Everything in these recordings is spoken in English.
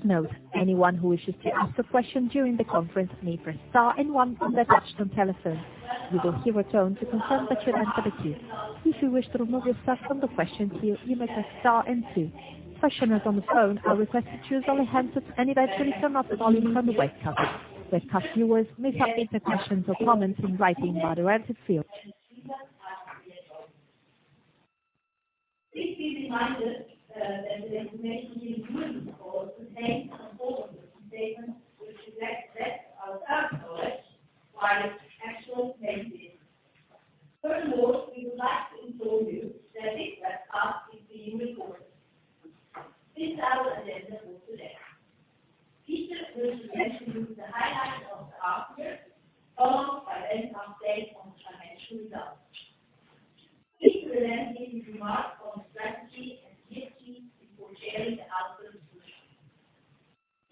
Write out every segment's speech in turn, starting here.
Please note anyone who wishes to ask a question during the conference may press star and one from their touch-tone telephone. You will hear a tone to confirm that you're entered the queue. If you wish to remove yourself from the question queue, you may press star and two. Questioners on the phone are requested to choose only hands up and either turn up the volume from the webcast. Webcast viewers may type in their questions or comments in writing by the relative field. Please be reminded that the information in this call contains some forward-looking statements, which reflect our current knowledge while actual results may differ. Furthermore, we would like to inform you that this webcast is being recorded. This is our agenda for today. Peter will present to you the highlights of the half year, followed by an update on the financial results. Peter will then give his remarks on strategy and ESG before sharing the outlook.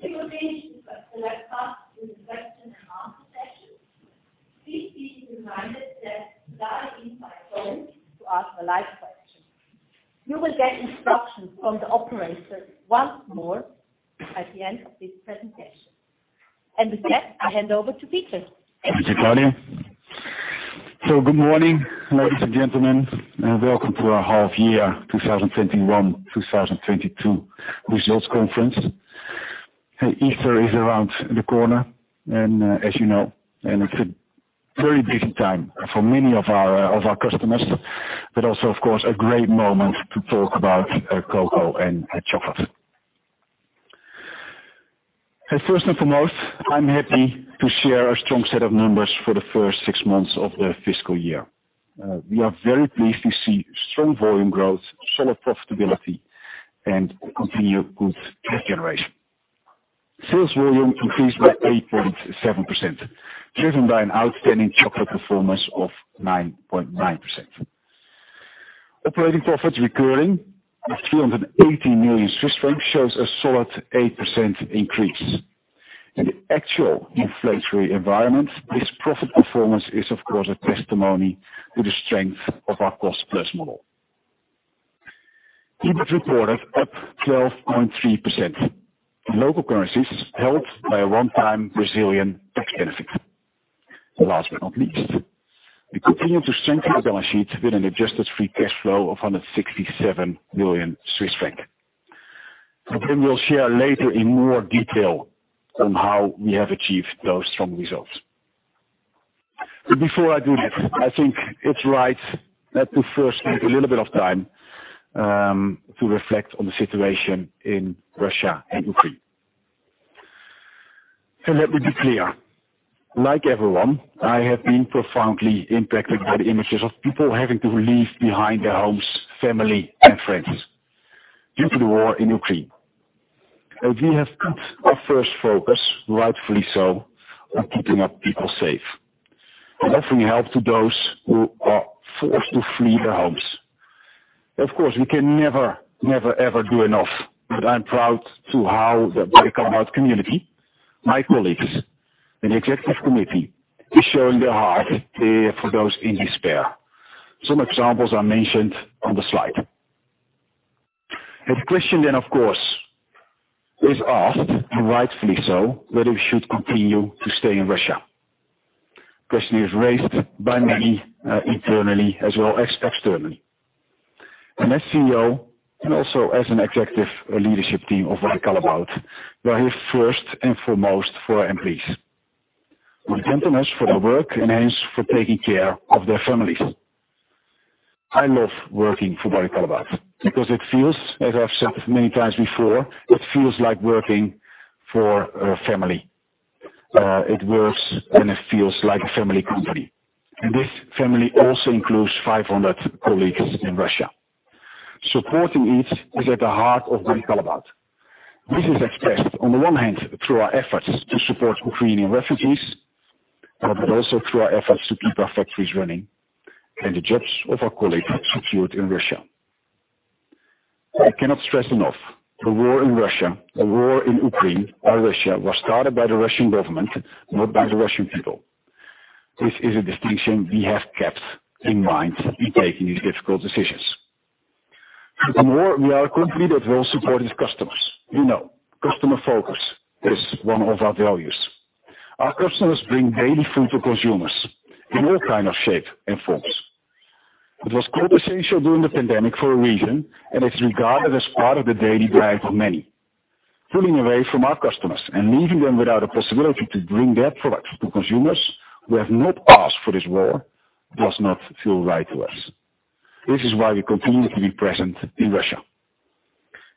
We will finish this webcast with a question-and-answer session. Please be reminded that to dial in by phone to ask a live question. You will get instructions from the operator once more at the end of this presentation. With that, I hand over to Peter. Thank you, Claudia. Good morning, ladies and gentlemen, and welcome to our Half-Year 2021-2022 Results Conference. Easter is around the corner, and as you know, it's a very busy time for many of our customers, but also of course, a great moment to talk about Cocoa and Chocolate. First and foremost, I'm happy to share a strong set of numbers for the first six months of the fiscal year. We are very pleased to see strong volume growth, solid profitability, and continued good cash generation. Sales volume increased by 8.7%, driven by an outstanding chocolate performance of 9.9%. Operating profits recurring of 380 million Swiss francs shows a solid 8% increase. In the actual inflationary environment, this profit performance is of course a testimony to the strength of our cost-plus model. EBIT reported up 12.3% in local currencies, helped by a one-time Brazilian tax benefit. Last but not least, we continue to strengthen the balance sheet with an adjusted free cash flow of 167 million Swiss francs. We'll share later in more detail on how we have achieved those strong results. Before I do that, I think it's right that we first take a little bit of time to reflect on the situation in Russia and Ukraine. Let me be clear. Like everyone, I have been profoundly impacted by the images of people having to leave behind their homes, family, and friends due to the war in Ukraine. We have put our first focus, rightfully so, on keeping our people safe and offering help to those who are forced to flee their homes. Of course, we can never ever do enough. I'm proud of how the Barry Callebaut community, my colleagues, and the executive committee is showing their heart there for those in despair. Some examples are mentioned on the slide. A question then, of course, is asked, and rightfully so, whether we should continue to stay in Russia. Question is raised by many, internally as well as externally. As CEO and also as an executive leadership team of Barry Callebaut, we are here first and foremost for our employees. They depend on us for their work and hence for taking care of their families. I love working for Barry Callebaut because it feels, as I've said many times before, it feels like working for a family. It works and it feels like a family company. This family also includes 500 colleagues in Russia. Supporting it is at the heart of Barry Callebaut. This is expressed on the one hand, through our efforts to support Ukrainian refugees, but also through our efforts to keep our factories running and the jobs of our colleagues secured in Russia. I cannot stress enough, the war in Ukraine by Russia was started by the Russian government, not by the Russian people. This is a distinction we have kept in mind in taking these difficult decisions. Moreover, we are a company that will support its customers. You know, customer focus is one of our values. Our customers bring daily food to consumers in all kinds of shapes and forms. It was called essential during the pandemic for a reason, and it's regarded as part of the daily diet for many. Pulling away from our customers and leaving them without a possibility to bring their products to consumers who have not asked for this war does not feel right to us. This is why we continue to be present in Russia.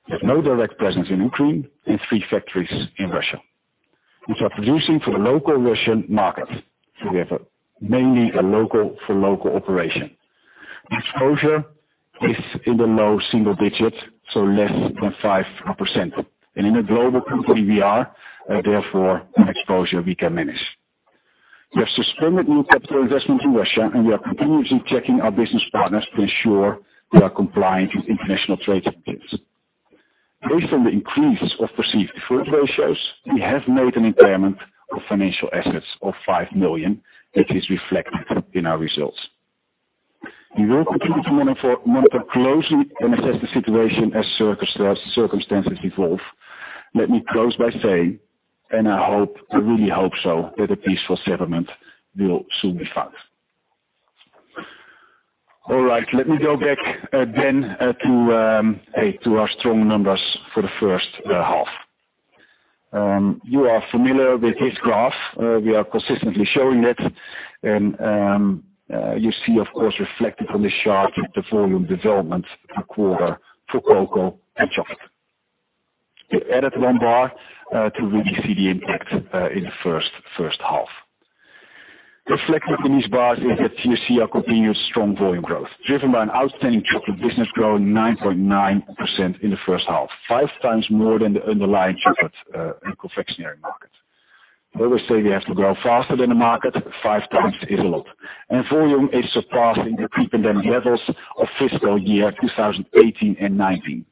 We have no direct presence in Ukraine and three factories in Russia, which are producing for the local Russian market. We have mainly a local-for-local operation. Exposure is in the low single-digits, so less than 5%. In a global company we are, therefore, an exposure we can manage. We have suspended new capital investment in Russia, and we are continuously checking our business partners to ensure we are compliant with international trade sanctions. Based on the increase of perceived default ratios, we have made an impairment of financial assets of 5 million that is reflected in our results. We will continue to monitor closely and assess the situation as circumstances evolve. Let me close by saying, and I hope, I really hope so, that a peaceful settlement will soon be found. All right, let me go back then to our strong numbers for the first half. You are familiar with this graph. We are consistently showing it. You see, of course, reflected on this chart the volume development per quarter for Cocoa and Chocolate. We added one bar to really see the impact in the first half. Reflected in these bars is that you see our continuous strong volume growth, driven by an outstanding chocolate business growing 9.9% in the first half, 5x more than the underlying chocolate and confectionery market. We always say we have to grow faster than the market, 5x is a lot. Volume is surpassing the pre-pandemic levels of fiscal year 2018 and 2019.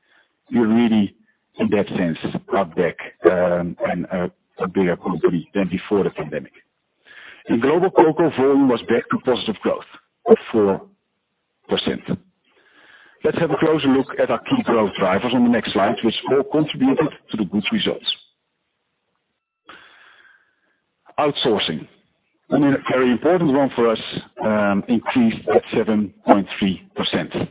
We're really, in that sense, are back and a bigger company than before the pandemic. In Global Cocoa, volume was back to positive growth of 4%. Let's have a closer look at our key growth drivers on the next slide, which all contributed to the good results. Outsourcing, and a very important one for us, increased at 7.3%.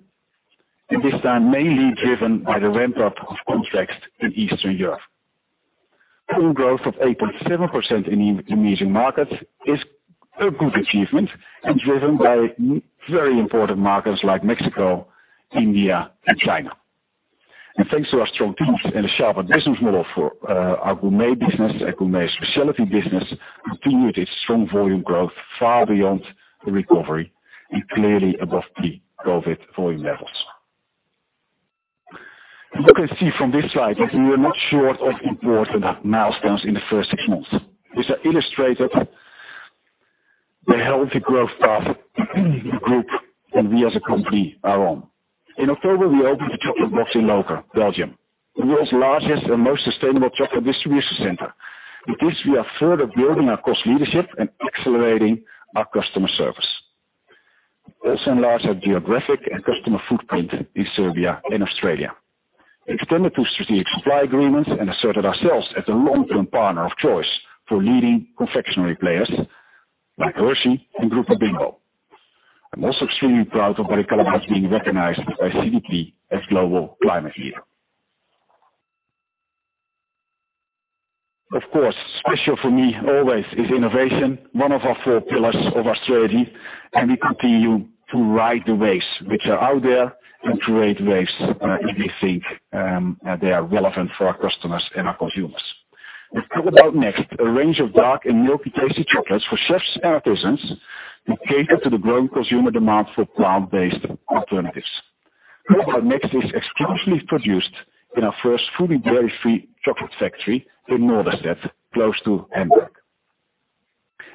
This time, mainly driven by the ramp-up of contracts in Eastern Europe. Volume growth of 8.7% in Emerging Markets is a good achievement, and driven by very important markets like Mexico, India and China. Thanks to our strong teams and a sharper business model for our gourmet business, our gourmet specialty business continued its strong volume growth far beyond the recovery and clearly above pre-COVID volume levels. You can see from this slide that we are not short of important milestones in the first six months. These illustrate the healthy growth path the group and we as a company are on. In October, we opened The Chocolate Box in Lokeren, Belgium, the world's largest and most sustainable chocolate distribution center. With this, we are further building our cost leadership and accelerating our customer service. We also enlarged our geographic and customer footprint in Serbia and Australia, extended two strategic supply agreements, and asserted ourselves as a long-term partner of choice for leading confectionery players like Hershey and Grupo Bimbo. I'm also extremely proud of Barry Callebaut being recognized by CDP as Global Climate Leader. Of course, special for me always is innovation, one of our four pillars of our strategy, and we continue to ride the waves which are out there and create waves if we think they are relevant for our customers and our consumers. We've heard about next, a range of dark and milky tasty chocolates for chefs and artisans. We cater to the growing consumer demand for plant-based alternatives. Next is exclusively produced in our first fully dairy-free chocolate factory in Norderstedt, close to Hamburg.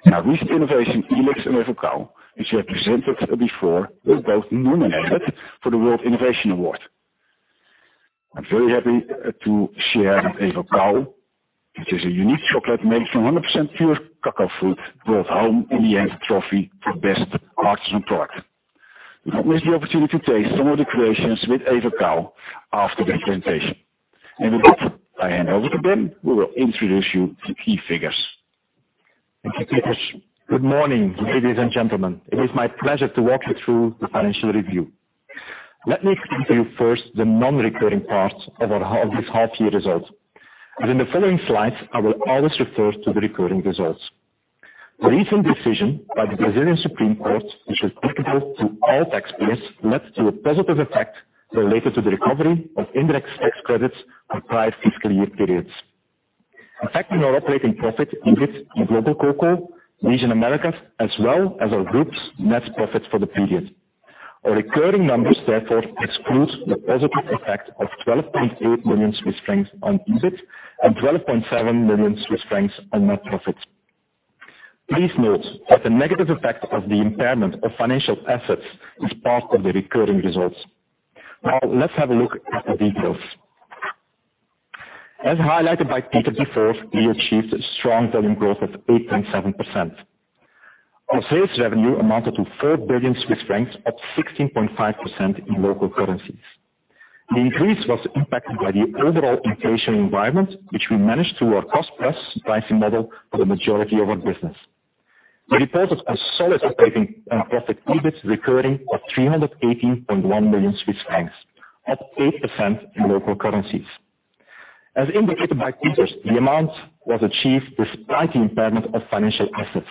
Now, recent innovation, Elix and Evocao, which we have presented before, were both nominated for the World Innovation Award. I'm very happy to share that Evocao, which is a unique chocolate made from 100% pure cacao fruit, brought home the trophy in the end for Best Artisan Product. Do not miss the opportunity to taste some of the creations with Evocao after the presentation. With that, I hand over to Ben, who will introduce you to key figures. Thank you, Peter. Good morning, ladies and gentlemen. It is my pleasure to walk you through the financial review. Let me explain to you first the non-recurring part of our this half year results. In the following slides, I will always refer to the recurring results. The recent decision by the Supreme Federal Court, which was applicable to all taxpayers, led to a positive effect related to the recovery of indirect tax credits for prior fiscal year periods, impacting our operating profit, EBIT, in Global Cocoa, region Americas, as well as our group's net profits for the period. Our recurring numbers, therefore, excludes the positive effect of 12.8 million Swiss francs on EBIT and 12.7 million Swiss francs on net profits. Please note that the negative effect of the impairment of financial assets is part of the recurring results. Now, let's have a look at the details. As highlighted by Peter before, we achieved a strong volume growth of 8.7%. Our sales revenue amounted to 4 billion Swiss francs, up 16.5% in local currencies. The increase was impacted by the overall inflation environment, which we managed through our cost-plus pricing model for the majority of our business. We reported a solid operating profit, EBIT, recurring of 381.1 million Swiss francs, up 8% in local currencies. As indicated by Peter, the amount was achieved despite the impairment of financial assets.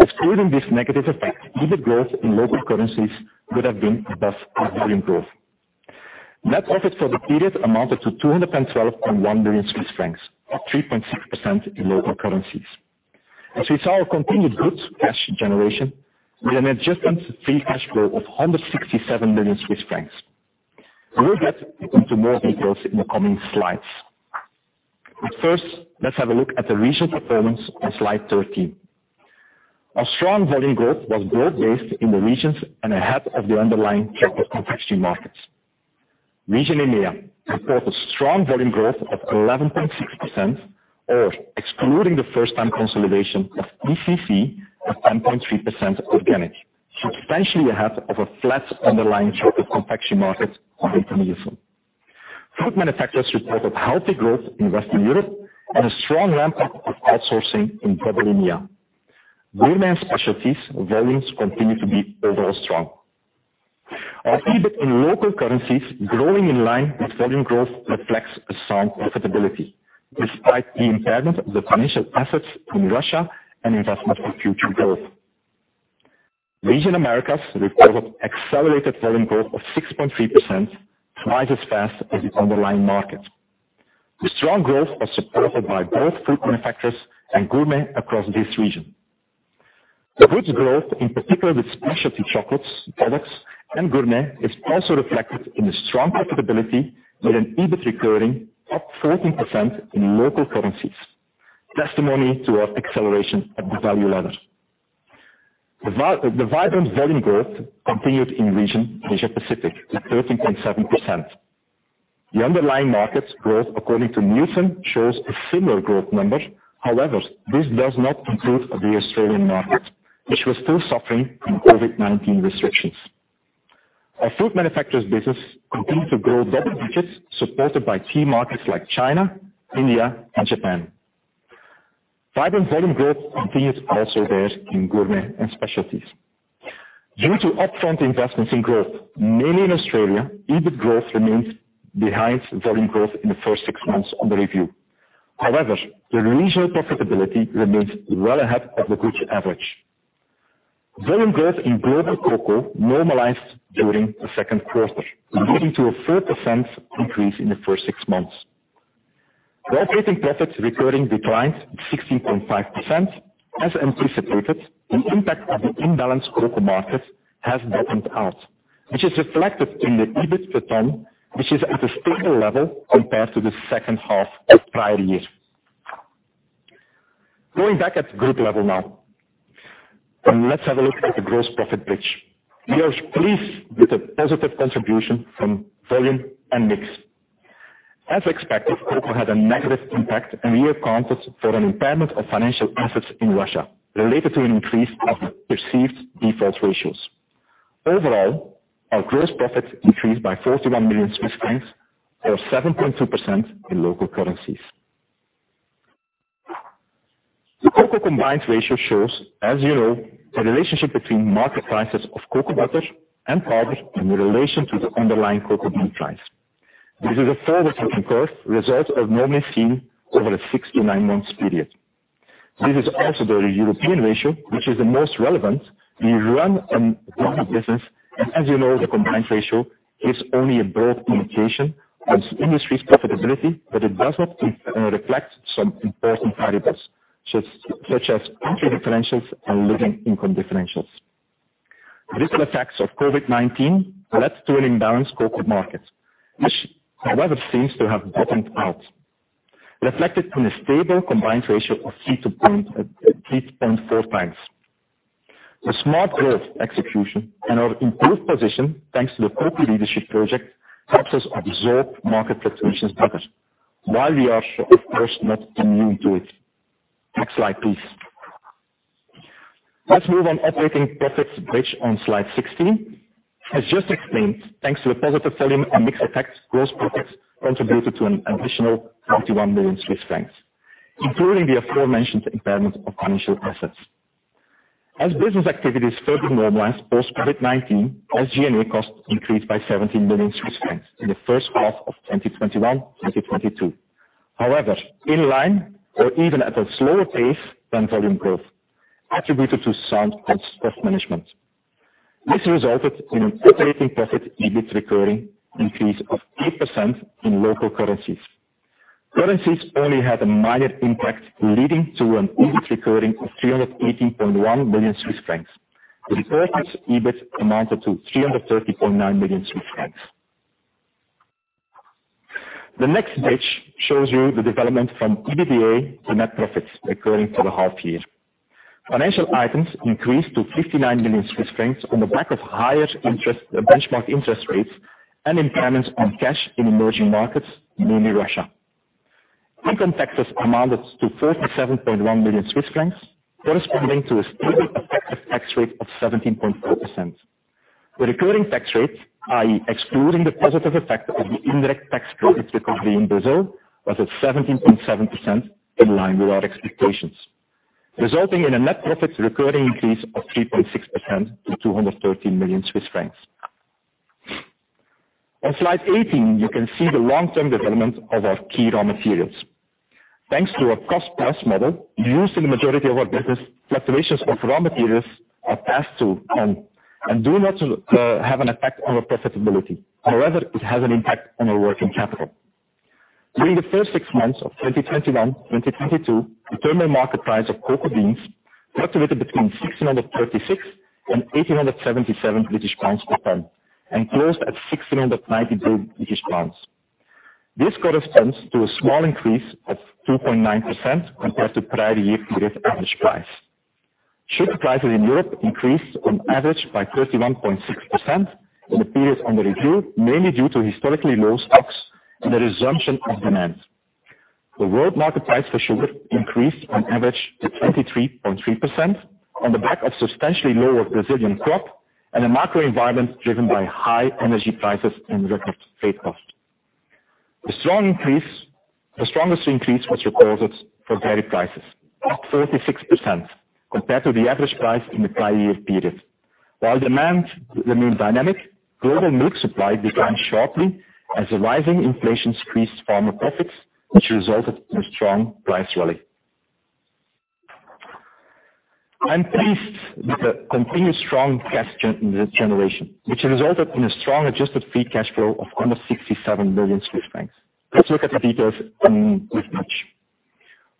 Excluding this negative effect, EBIT growth in local currencies would have been above our volume growth. Net profit for the period amounted to 212.1 million Swiss francs of 3.6% in local currencies. We saw our continued good cash generation with an adjusted free cash flow of 167 million Swiss francs. We will get into more details in the coming slides. First, let's have a look at the regional performance on slide 13. Our strong volume growth was broad-based in the regions and ahead of the underlying chocolate confectionery markets. Region EMEA reports strong volume growth of 11.6% or excluding the first time consolidation of ECC of 10.3% organic, substantially ahead of a flat underlying chocolate confectionery market on IRI. Food manufacturers reported healthy growth in Western Europe and a strong ramp-up of outsourcing in broader EMEA. Gourmet & Specialties volumes continue to be overall strong. Our EBIT in local currencies growing in line with volume growth reflects a sound profitability despite the impairment of the financial assets in Russia and investment for future growth. Region Americas reported accelerated volume growth of 6.3%, twice as fast as the underlying market. The strong growth was supported by both food manufacturers and gourmet across this region. The good growth, in particular with specialty chocolates products and gourmet, is also reflected in the strong profitability with an EBIT recurring up 14% in local currencies, testimony to our acceleration at the value level. The vibrant volume growth continued in region Asia Pacific with 13.7%. The underlying markets growth according to Nielsen shows a similar growth number. However, this does not include the Australian market, which was still suffering from COVID-19 restrictions. Our food manufacturers business continued to grow double-digits, supported by key markets like China, India, and Japan. Vibrant volume growth continues also there in Gourmet & Specialties. Due to upfront investments in growth, mainly in Australia, EBIT growth remains behind volume growth in the first six months under review. However, the regional profitability remains well ahead of the group average. Volume growth in Global Cocoa normalized during the second quarter, leading to a 4% increase in the first six months. While operating profits recurring declined 16.5% as anticipated, the impact of the imbalanced cocoa market has bottomed out, which is reflected in the EBIT per ton, which is at a stable level compared to the second half of prior year. Going back at group level now, and let's have a look at the gross profit bridge. We are pleased with the positive contribution from volume and mix. As expected, cocoa had a negative impact, and we accounted for an impairment of financial assets in Russia related to an increase of perceived default ratios. Overall, our gross profits increased by 41 million Swiss francs or 7.2% in local currencies. The Cocoa combined ratio shows, as you know, the relationship between market prices of Cocoa Butter and Powder in relation to the underlying cocoa bean price. This is a forward-looking coarse result normally seen over a six to nine months period. This is also the European ratio, which is the most relevant. We run a global business and as you know, the combined ratio is only a broad communication of industry's profitability, but it does not reflect some important variables, such as entry differentials and living income differentials. This effects of COVID-19 led to an imbalanced cocoa market, which however seems to have bottomed out, reflected in a stable combined ratio of 3.3-3.4. The smart growth execution and our improved position, thanks to the Cocoa Leadership Project, helps us absorb market fluctuations better while we are of course not immune to it. Next slide, please. Let's move on to the operating profits bridge on slide 16. As just explained, thanks to the positive volume and mix effect, gross profits contributed to an additional 41 million Swiss francs, including the aforementioned impairment of financial assets. As business activities further normalize post COVID-19, SG&A costs increased by 17 million Swiss francs in the first half of 2021-2022. However, in line or even at a slower pace than volume growth attributed to sound cost management. This resulted in an operating profit EBIT recurring increase of 8% in local currencies. Currencies only had a minor impact, leading to an EBIT recurring of 318.1 million Swiss francs. The group's EBIT amounted to 330.9 million Swiss francs. The next page shows you the development from EBITDA to net profits according to the half year. Financial items increased to 59 million Swiss francs on the back of higher benchmark interest rates and impairments on cash in emerging markets, mainly Russia. Income taxes amounted to 47.1 million Swiss francs, corresponding to a stable effective tax rate of 17.4%. The recurring tax rate, i.e., excluding the positive effect of the indirect tax credit recovery in Brazil, was at 17.7% in line with our expectations, resulting in a net profit recurring increase of 3.6% to 213 million Swiss francs. On slide 18, you can see the long-term development of our key raw materials. Thanks to our cost-plus model used in the majority of our business, fluctuations of raw materials are passed to and do not have an effect on our profitability. However, it has an impact on our working capital. During the first six months of 2021-2022, the terminal market price of cocoa beans fluctuated between 636-877 British pounds per ton and closed at 692 British pounds. This corresponds to a small increase of 2.9% compared to prior year period average price. Sugar prices in Europe increased on average by 31.6% in the period under review, mainly due to historically low stocks and the resumption of demand. The world market price for sugar increased on average by 23.3% on the back of substantially lower Brazilian crop and a macro environment driven by high energy prices and record freight costs. The strongest increase was recorded for dairy prices, up 36% compared to the average price in the prior year period. While demand remained dynamic, global milk supply declined sharply as rising inflation squeezed farmer profits, which resulted in a strong price rally. I'm pleased with the continued strong cash generation, which resulted in a strong adjusted free cash flow of under 67 million Swiss francs. Let's look at the details in this note.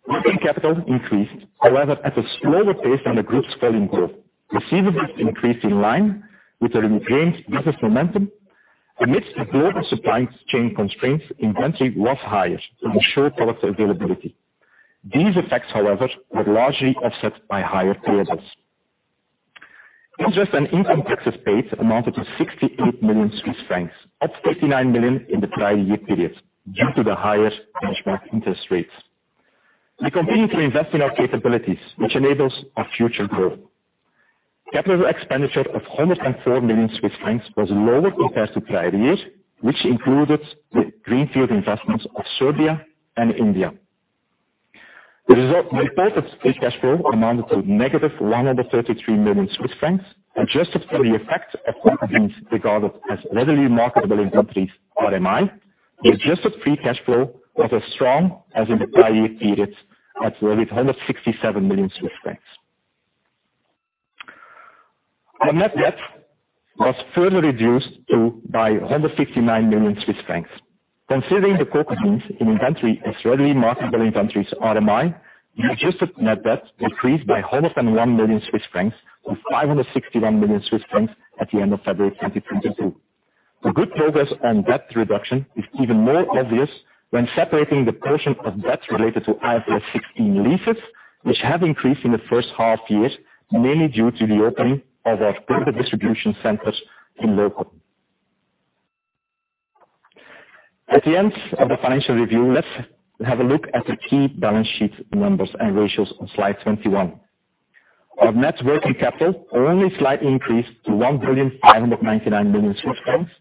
Working capital increased, however, at a slower pace than the group's volume growth. Receivables increased in line with the regained business momentum. Amidst the global supply chain constraints, inventory was higher to ensure product availability. These effects, however, were largely offset by higher payables. Interest and income taxes paid amounted to 68 million Swiss francs, up 39 million in the prior year period, due to the higher benchmark interest rates. We continue to invest in our capabilities, which enables our future growth. CapEx of 104 million Swiss francs was lower compared to prior years, which included the greenfield investments of Serbia and India. The impact of free cash flow amounted to -133 million Swiss francs, adjusted for the effect of what has been regarded as readily marketable inventories, RMI. The adjusted free cash flow was as strong as in the prior year period at 167 million Swiss francs. Our net debt was further reduced by 159 million Swiss francs. Considering the focus in inventory as readily marketable inventories, RMI, the adjusted net debt decreased by 101 million Swiss francs to 561 million Swiss francs at the end of February 2022. The good progress on debt reduction is even more obvious when separating the portion of debt related to IFRS 16 leases, which have increased in the first half year, mainly due to the opening of our further distribution centers in Lokeren. At the end of the financial review, let's have a look at the key balance sheet numbers and ratios on slide 21. Our net working capital only slightly increased to 1,599 million Swiss francs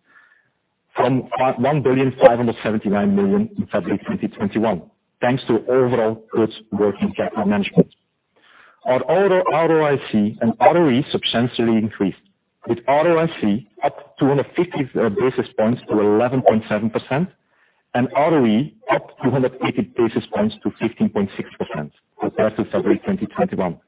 from 1,579 million in February 2021, thanks to overall good working capital management. Our ROIC and ROE substantially increased, with ROIC up 250 basis points to 11.7%, and ROE up 280 basis points to 15.6% compared to February 2021.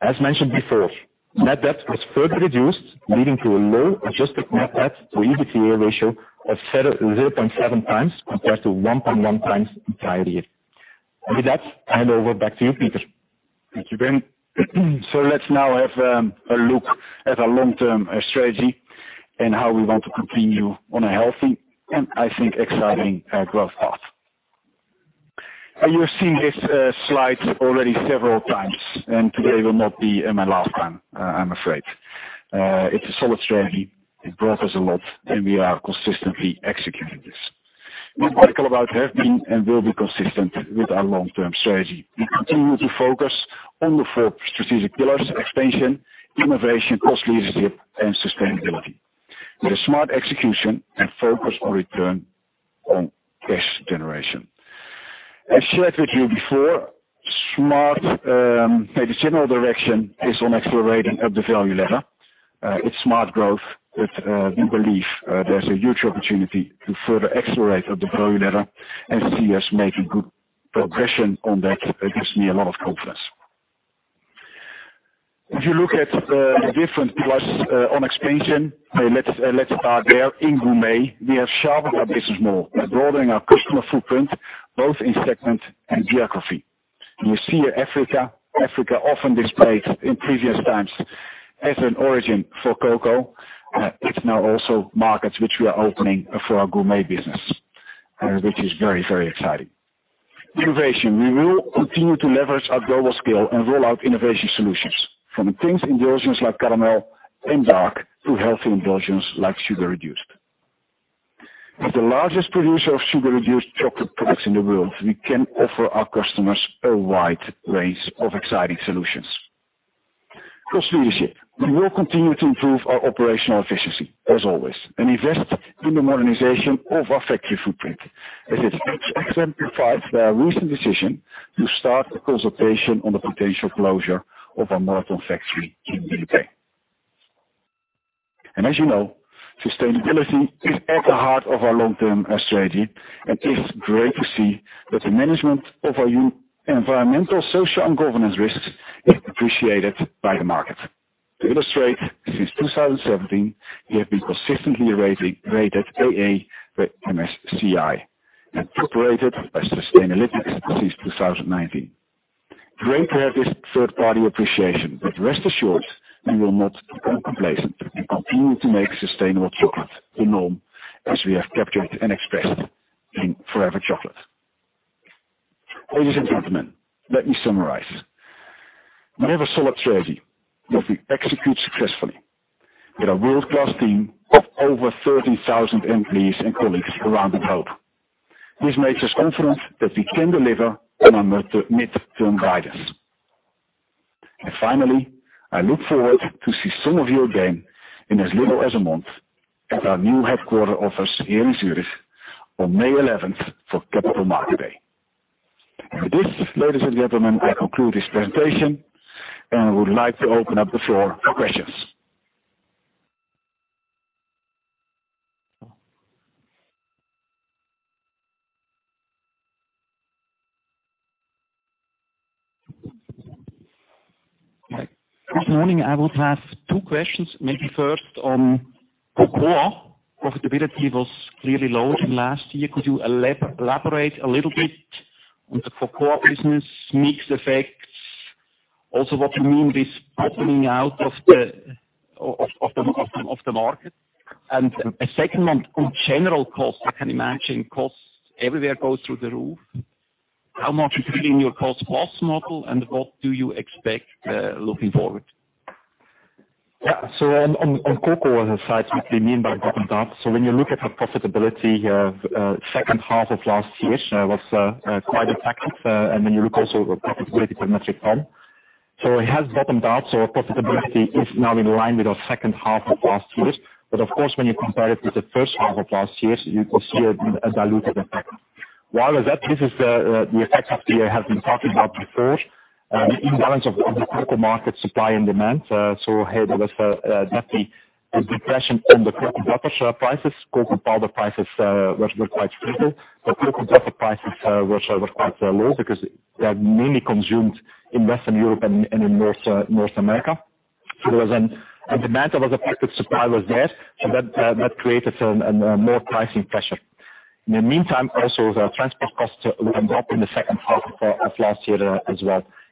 As mentioned before, net debt was further reduced, leading to a low adjusted net debt to EBITDA ratio of 0.7x compared to 1.1x in the prior year. With that, I hand over back to you, Peter. Thank you, Ben. Let's now have a look at our long-term strategy and how we want to continue on a healthy and, I think, exciting growth path. You've seen this slide already several times, and today will not be my last time, I'm afraid. It's a solid strategy. It brought us a lot, and we are consistently executing this. We've talked about have been and will be consistent with our long-term strategy. We continue to focus on the four strategic pillars: expansion, innovation, cost leadership, and sustainability with a smart execution and focus on return on cash generation. As shared with you before, the general direction is on accelerating up the value ladder. It's smart growth that we believe there's a huge opportunity to further accelerate up the value ladder and see us make a good progression on that. It gives me a lot of confidence. If you look at the different pillars on expansion, let's start there. In Gourmet, we have sharpened our business more by broadening our customer footprint, both in segment and geography. We see Africa. Africa often displayed in previous times as an origin for cocoa. It's now also markets which we are opening for our Gourmet business, which is very, very exciting. Innovation. We will continue to leverage our global scale and roll out innovation solutions from intense indulgences like caramel and dark to healthy indulgence like sugar reduced. As the largest producer of sugar-reduced chocolate products in the world, we can offer our customers a wide range of exciting solutions. Cost leadership. We will continue to improve our operational efficiency as always, and invest in the modernization of our factory footprint. As it exemplifies the recent decision to start a consultation on the potential closure of our Moreton factory in the U.K. As you know, sustainability is at the heart of our long-term strategy. It is great to see that the management of our environmental, social, and governance risks is appreciated by the market. To illustrate, since 2017, we have been consistently rated AA by MSCI and AAA by Sustainalytics since 2019. Great to have this third-party appreciation, but rest assured, we will not become complacent and continue to make sustainable chocolate the norm as we have captured and expressed in Forever Chocolate. Ladies and gentlemen, let me summarize. We have a solid strategy that we execute successfully with a world-class team of over 30,000 employees and colleagues around the globe. This makes us confident that we can deliver on our mid-term guidance. Finally, I look forward to see some of you again in as little as a month at our new headquarters office here in Zurich on May 11th for Capital Market Day. With this, ladies and gentlemen, I conclude this presentation, and I would like to open up the floor for questions. Good morning. I would have two questions. Maybe first on Cocoa. Profitability was clearly low last year. Could you elaborate a little bit on the Cocoa business mix effects? Also what you mean by this bottoming out of the market. A second one, on general costs. I can imagine costs everywhere goes through the roof. How much is it in your cost-plus model, and what do you expect looking forward? On the Cocoa side, what we mean by bottomed out. When you look at our profitability of second half of last year, it was quite affected, and then you look also at the profitability per metric ton. It has bottomed out, so our profitability is now in line with our second half of last year. Of course, when you compare it to the first half of last year, you will see a dilutive effect. Why was that? This is the effects that we have been talking about before. The imbalance of the cocoa market supply and demand, so ahead of us, that the depression in the Cocoa Butter prices, Cocoa Powder prices were quite stable. Cocoa Butter prices were quite low because they are mainly consumed in Western Europe and in North America. There was a demand that was affected, supply was there. That created some more pricing pressure. In the meantime, also the transport costs went up in the second half of last year as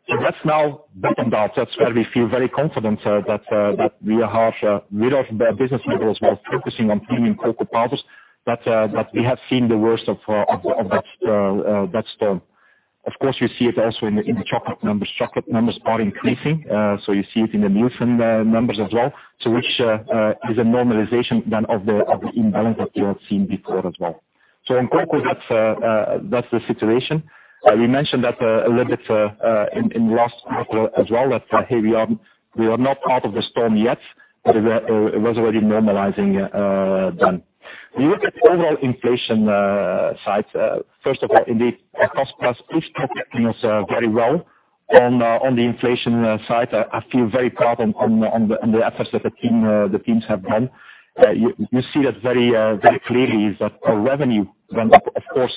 well. That's now bottomed out. That's where we feel very confident that we have hit the bottom levels while focusing on premium Cocoa Powders, that we have seen the worst of that storm. Of course, you see it also in the chocolate numbers. Chocolate numbers are increasing, so you see it in the milk numbers as well. Which is a normalization then of the imbalance that we have seen before as well. In Cocoa that's the situation. We mentioned that a little bit in the last quarter as well, that here we are, we are not out of the storm yet, but it was already normalizing then. We look at overall inflation side. First of all, indeed, our cost-plus is protecting us very well. On the inflation side, I feel very proud on the efforts that the teams have done. You see that very clearly is that our revenue went up, of course,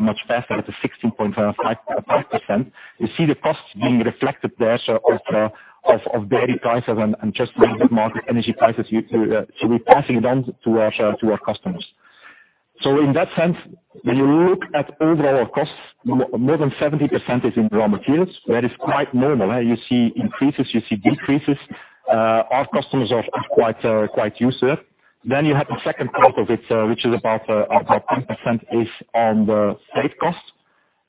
much faster at the 16.55%. You see the costs being reflected there so of dairy prices and just general market energy prices we're passing it on to our customers. In that sense, when you look at overall costs, more than 70% is in raw materials. That is quite normal. You see increases, you see decreases. Our customers are quite used to it. Then you have the second part of it, which is about 10% is on the freight costs.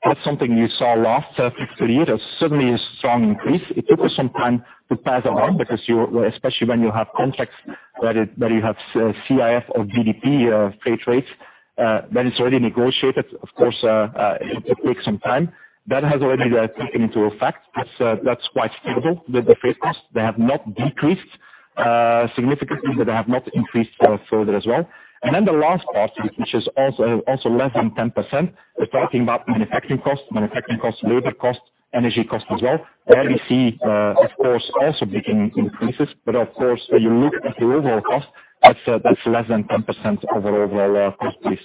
That's something you saw last fiscal year. There's certainly a strong increase. It took us some time to pass it on, because you especially when you have contracts where you have CIF or DDP freight rates that is already negotiated. Of course, it takes some time. That has already taken into effect. That's quite stable with the freight costs. They have not decreased significantly, but they have not increased further as well. Then the last part, which is also less than 10%, we're talking about manufacturing costs. Manufacturing costs, labor costs, energy costs as well. There we see, of course, also big increases. Of course, when you look at the overall cost, that's less than 10% of our overall cost base.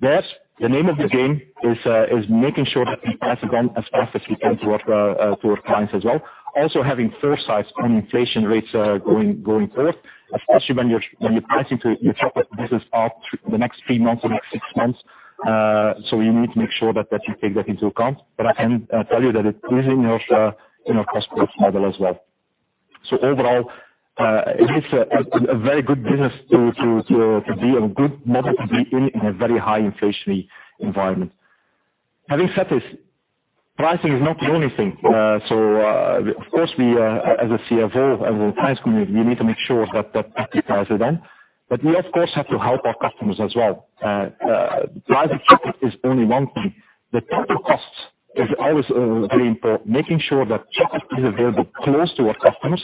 There, the name of the game is making sure that we pass it on as fast as we can to our clients as well. Also having foresight on inflation rates going forth, especially when you're pricing to your chocolate business out the next three months or next six months. You need to make sure that you take that into account. I can tell you that it is in our cost-plus model as well. Overall, it is a very good business to be in, a good model to be in a very high inflationary environment. Having said this, pricing is not the only thing. Of course, we, as a CFO and the finance community, need to make sure that prices are done. We, of course, have to help our customers as well. Pricing chocolate is only one thing. The total costs is always very important, making sure that chocolate is available close to our customers.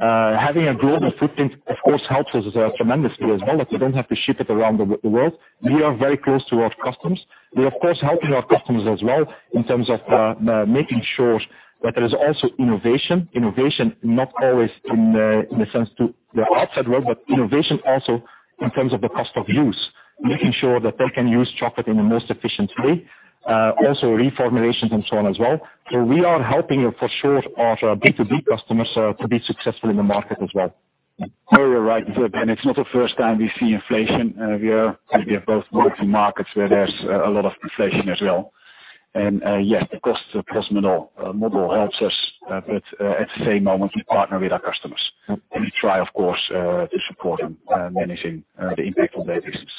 Having a global footprint, of course, helps us tremendously as well, that we don't have to ship it around the world. We are very close to our customers. We are, of course, helping our customers as well in terms of making sure that there is also innovation. Innovation not always in the sense to the outside world, but innovation also in terms of the cost of use, making sure that they can use chocolate in the most efficient way. Also reformulations and so on as well. We are helping for sure our B2B customers to be successful in the market as well. No, you're right, Ben. It's not the first time we see inflation. We have both worked in markets where there's a lot of inflation as well. Yes, the cost-plus model helps us, but at the same moment, we partner with our customers. We try, of course, to support them managing the impact on their business.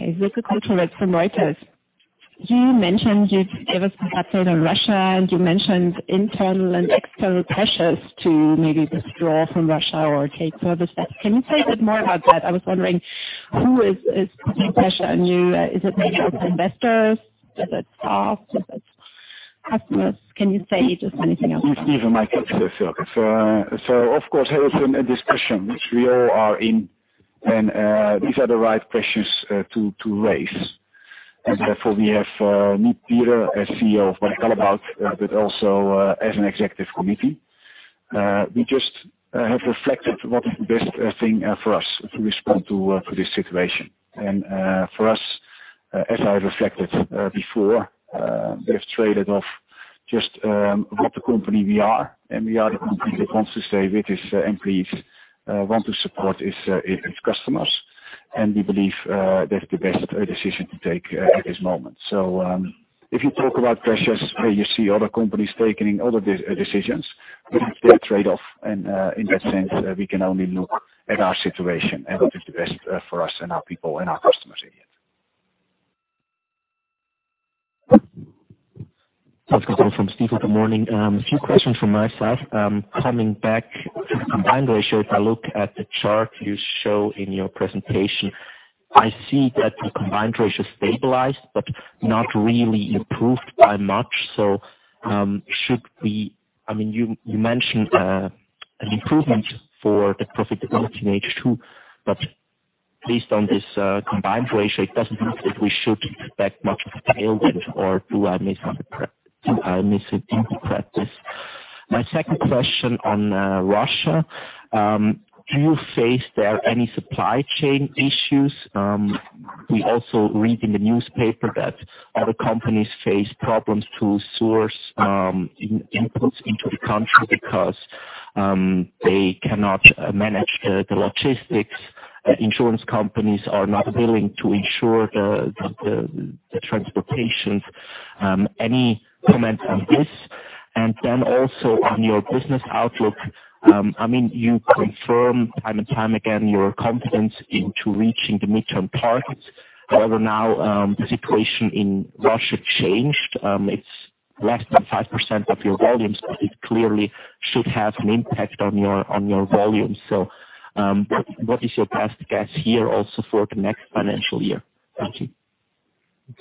Okay. This is from Reuters. You mentioned you'd give us some update on Russia, and you mentioned internal and external pressures to maybe withdraw from Russia or take further steps. Can you say a bit more about that? I was wondering who is putting pressure on you? Is it maybe investors? Is it staff? Is it customers? Can you say just anything else? Even my. Of course, there is a discussion which we all are in, and these are the right questions to raise. Therefore, we have me, Peter, as CEO of Barry Callebaut, but also as an executive committee. We just have reflected what is the best thing for us to respond to this situation. For us, as I reflected before, we have traded off just what the company we are, and we are the company that wants to stay with its employees, want to support its customers. We believe that's the best decision to take at this moment. If you talk about pressures where you see other companies taking other decisions, that's their trade-off. In that sense, we can only look at our situation and what is the best for us and our people and our customers in it. From Steve, good morning. A few questions from myself. Coming back, the combined ratio, if I look at the chart you show in your presentation, I see that the combined ratio stabilized, but not really improved by much. I mean, you mentioned an improvement for the profitability in H2, but based on this combined ratio, it doesn't look like we should expect much of a tailwind, or did I miss it completely? My second question on Russia, do you face there any supply chain issues? We also read in the newspaper that other companies face problems to source inputs into the country because they cannot manage the logistics. Insurance companies are not willing to insure the transportation. Any comment on this? Also on your business outlook, I mean, you confirm time and time again your confidence into reaching the midterm targets. However, now the situation in Russia changed. It's less than 5% of your volumes, but it clearly should have an impact on your volumes. What is your best guess here also for the next financial year? Thank you.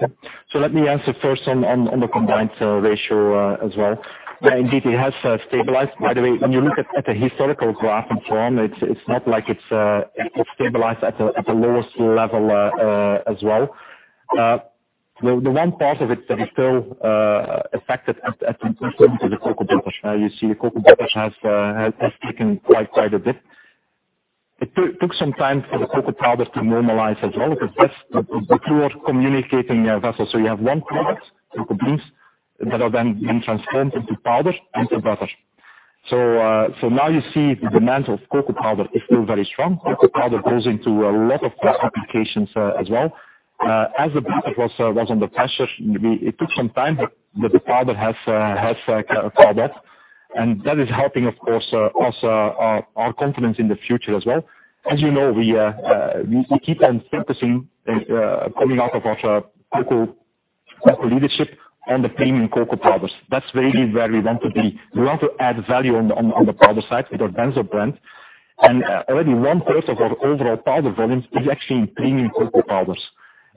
Okay. Let me answer first on the combined ratio as well. Yeah, indeed, it has stabilized. By the way, when you look at the historical graph and form, it's not like it's stabilized at the lowest level as well. The one part of it that is still affected at the moment is the Cocoa Butter. You see the Cocoa Butter has taken quite a bit. It took some time for the Cocoa Powder to normalize as well, but the two are communicating vessels. You have one product, cocoa beans, that are then being transformed into powder, into butter. Now you see the demand of Cocoa Powder is still very strong. Cocoa Powder goes into a lot of applications as well. As the butter was under pressure. It took some time, but the powder has caught up. That is helping, of course, our confidence in the future as well. As you know, we keep on focusing coming out of our Cocoa Leadership on the premium Cocoa products. That's really where we want to be. We want to add value on the product side with our Bensdorp brand. Already one-fourth of our overall powder volumes is actually premium Cocoa Powders.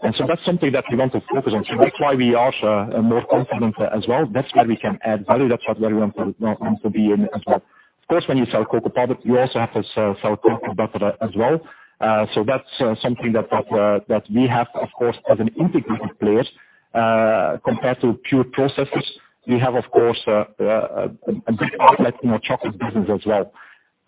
That's something that we want to focus on. That's why we are more confident as well. That's where we can add value. That's where we want to be in as well. Of course, when you sell cocoa powder, you also have to sell Cocoa Butter as well. That's something that we have, of course, as an integrated players, compared to pure processors. We have, of course, a big outlet in our chocolate business as well.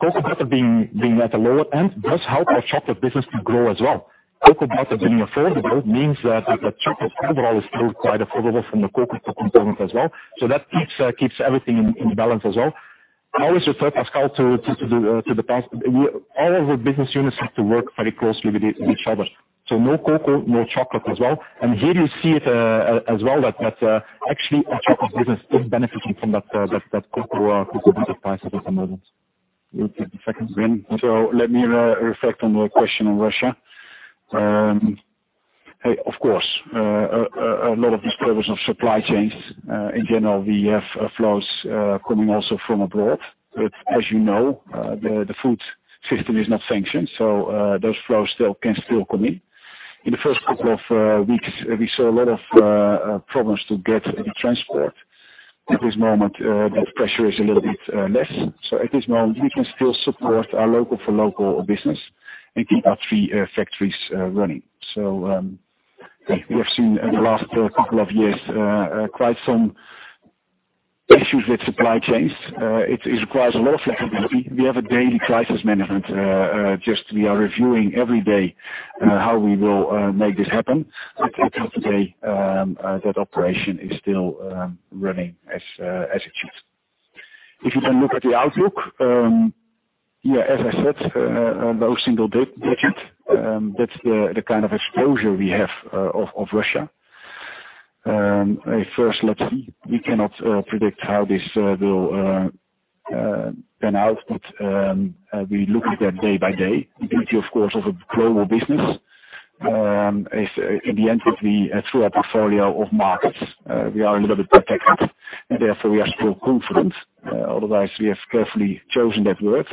Cocoa Butter being at a lower end does help our chocolate business to grow as well. Cocoa Butter being affordable means that the chocolate overall is still quite affordable from the cocoa component as well. That keeps everything in balance as well. I always refer, Pascal, to the past. All of our business units have to work very closely with each other. No cocoa, no chocolate as well. Here you see it as well, that actually our Chocolate business is benefiting from that Cocoa Butter price at this moment. You take the second, Ben. Let me reflect on the question on Russia. Of course, a lot of disturbance of supply chains. In general, we have flows coming also from abroad. But as you know, the food system is not sanctioned, so those flows still can come in. In the first couple of weeks, we saw a lot of problems to get the transport. At this moment, that pressure is a little bit less. At this moment, we can still support our local for local business and keep our three factories running. We have seen in the last couple of years quite some issues with supply chains. It requires a lot of flexibility. We have a daily crisis management. Just, we are reviewing every day how we will make this happen. At the end of the day, that operation is still running as it should. If you then look at the outlook, as I said, low single-digit, that's the kind of exposure we have of Russia. At first, let's see. We cannot predict how this will pan out, but we look at that day by day. The beauty, of course, of a global business is in the end that we through our portfolio of markets are a little bit protected, and therefore, we are still confident. Otherwise, we have carefully chosen that word.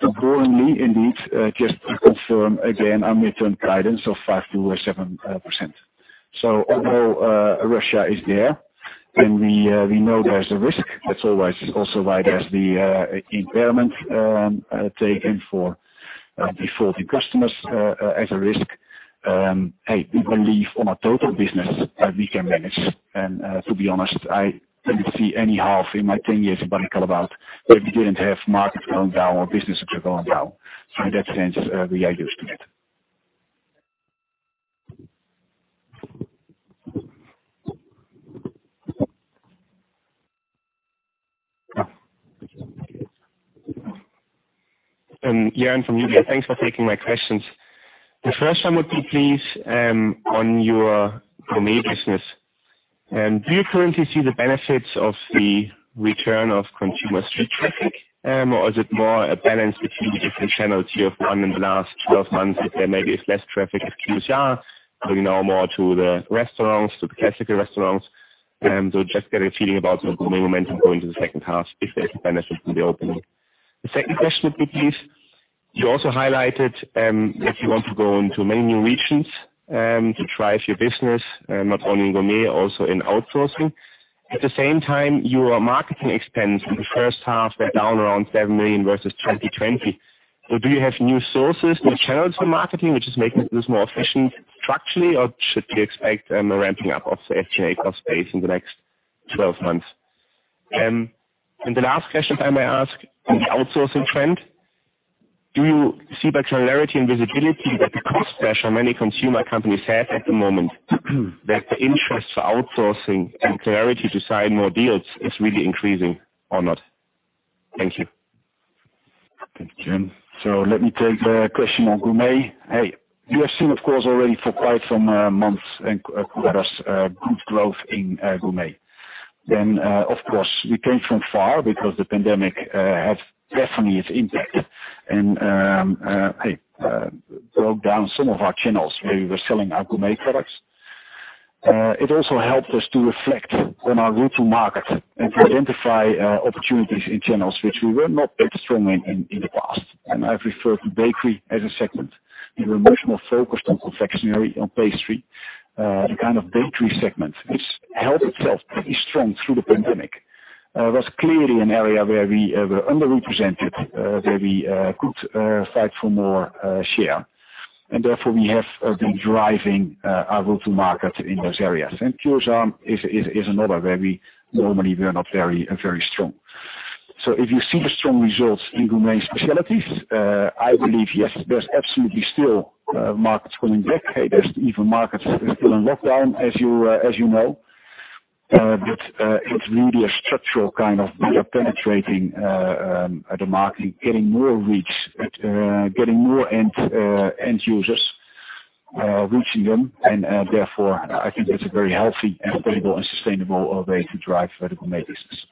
Broadly, indeed, just to confirm again our midterm guidance of 5%-7%. Overall, Russia is there, and we know there's a risk. That's always also why there's the impairment taken for defaulting customers as a risk. Hey, we believe on our total business that we can manage. To be honest, I didn't see any half in my 10 years at Barry Callebaut that we didn't have markets going down or businesses going down. In that sense, we are used to it. Joern from UBS, thanks for taking my questions. The first one would be, please, on your gourmet business. Do you currently see the benefits of the return of consumer street traffic, or is it more a balance between the different channels you have run in the last 12 months if there maybe is less traffic at QSR, going now more to the restaurants, to the classical restaurants? To just get a feeling about the gourmet momentum going to the second half if there's a benefit from the opening. The second question would be, please, you also highlighted, that you want to go into many new regions, to drive your business, not only in gourmet, also in outsourcing. At the same time, your marketing expense in the first half were down around 7 million versus 2020. Do you have new sources, new channels for marketing, which is making this more efficient structurally, or should we expect a ramping up of the SG&A cost base in the next 12 months? The last question if I may ask, on the outsourcing trend, do you see by clarity and visibility that the cost pressure many consumer companies have at the moment, that the interest for outsourcing and capacity to sign more deals is really increasing or not? Thank you. Thank you. Let me take the question on Gourmet. Hey, you have seen, of course, already for quite some months and quarters good growth in gourmet. Of course, we came from far because the pandemic had definitely its impact and broke down some of our channels where we were selling our Gourmet products. It also helped us to reflect on our route to market and to identify opportunities in channels which we were not that strong in in the past. I've referred to bakery as a segment. We were much more focused on confectionery, on pastry. The kind of bakery segment, which held itself pretty strong through the pandemic, was clearly an area where we were underrepresented, where we could fight for more share. Therefore, we have been driving our route to market in those areas. QSR is another where we normally are not very strong. If you see the strong results in Gourmet & Specialties, I believe yes, there's absolutely still markets coming back. Hey, there's even markets that are still on lockdown, as you know. But it's really a structural kind of we are penetrating the market, getting more reach, getting more end users, reaching them, and therefore I think it's a very healthy and stable and sustainable way to drive the Gourmet business.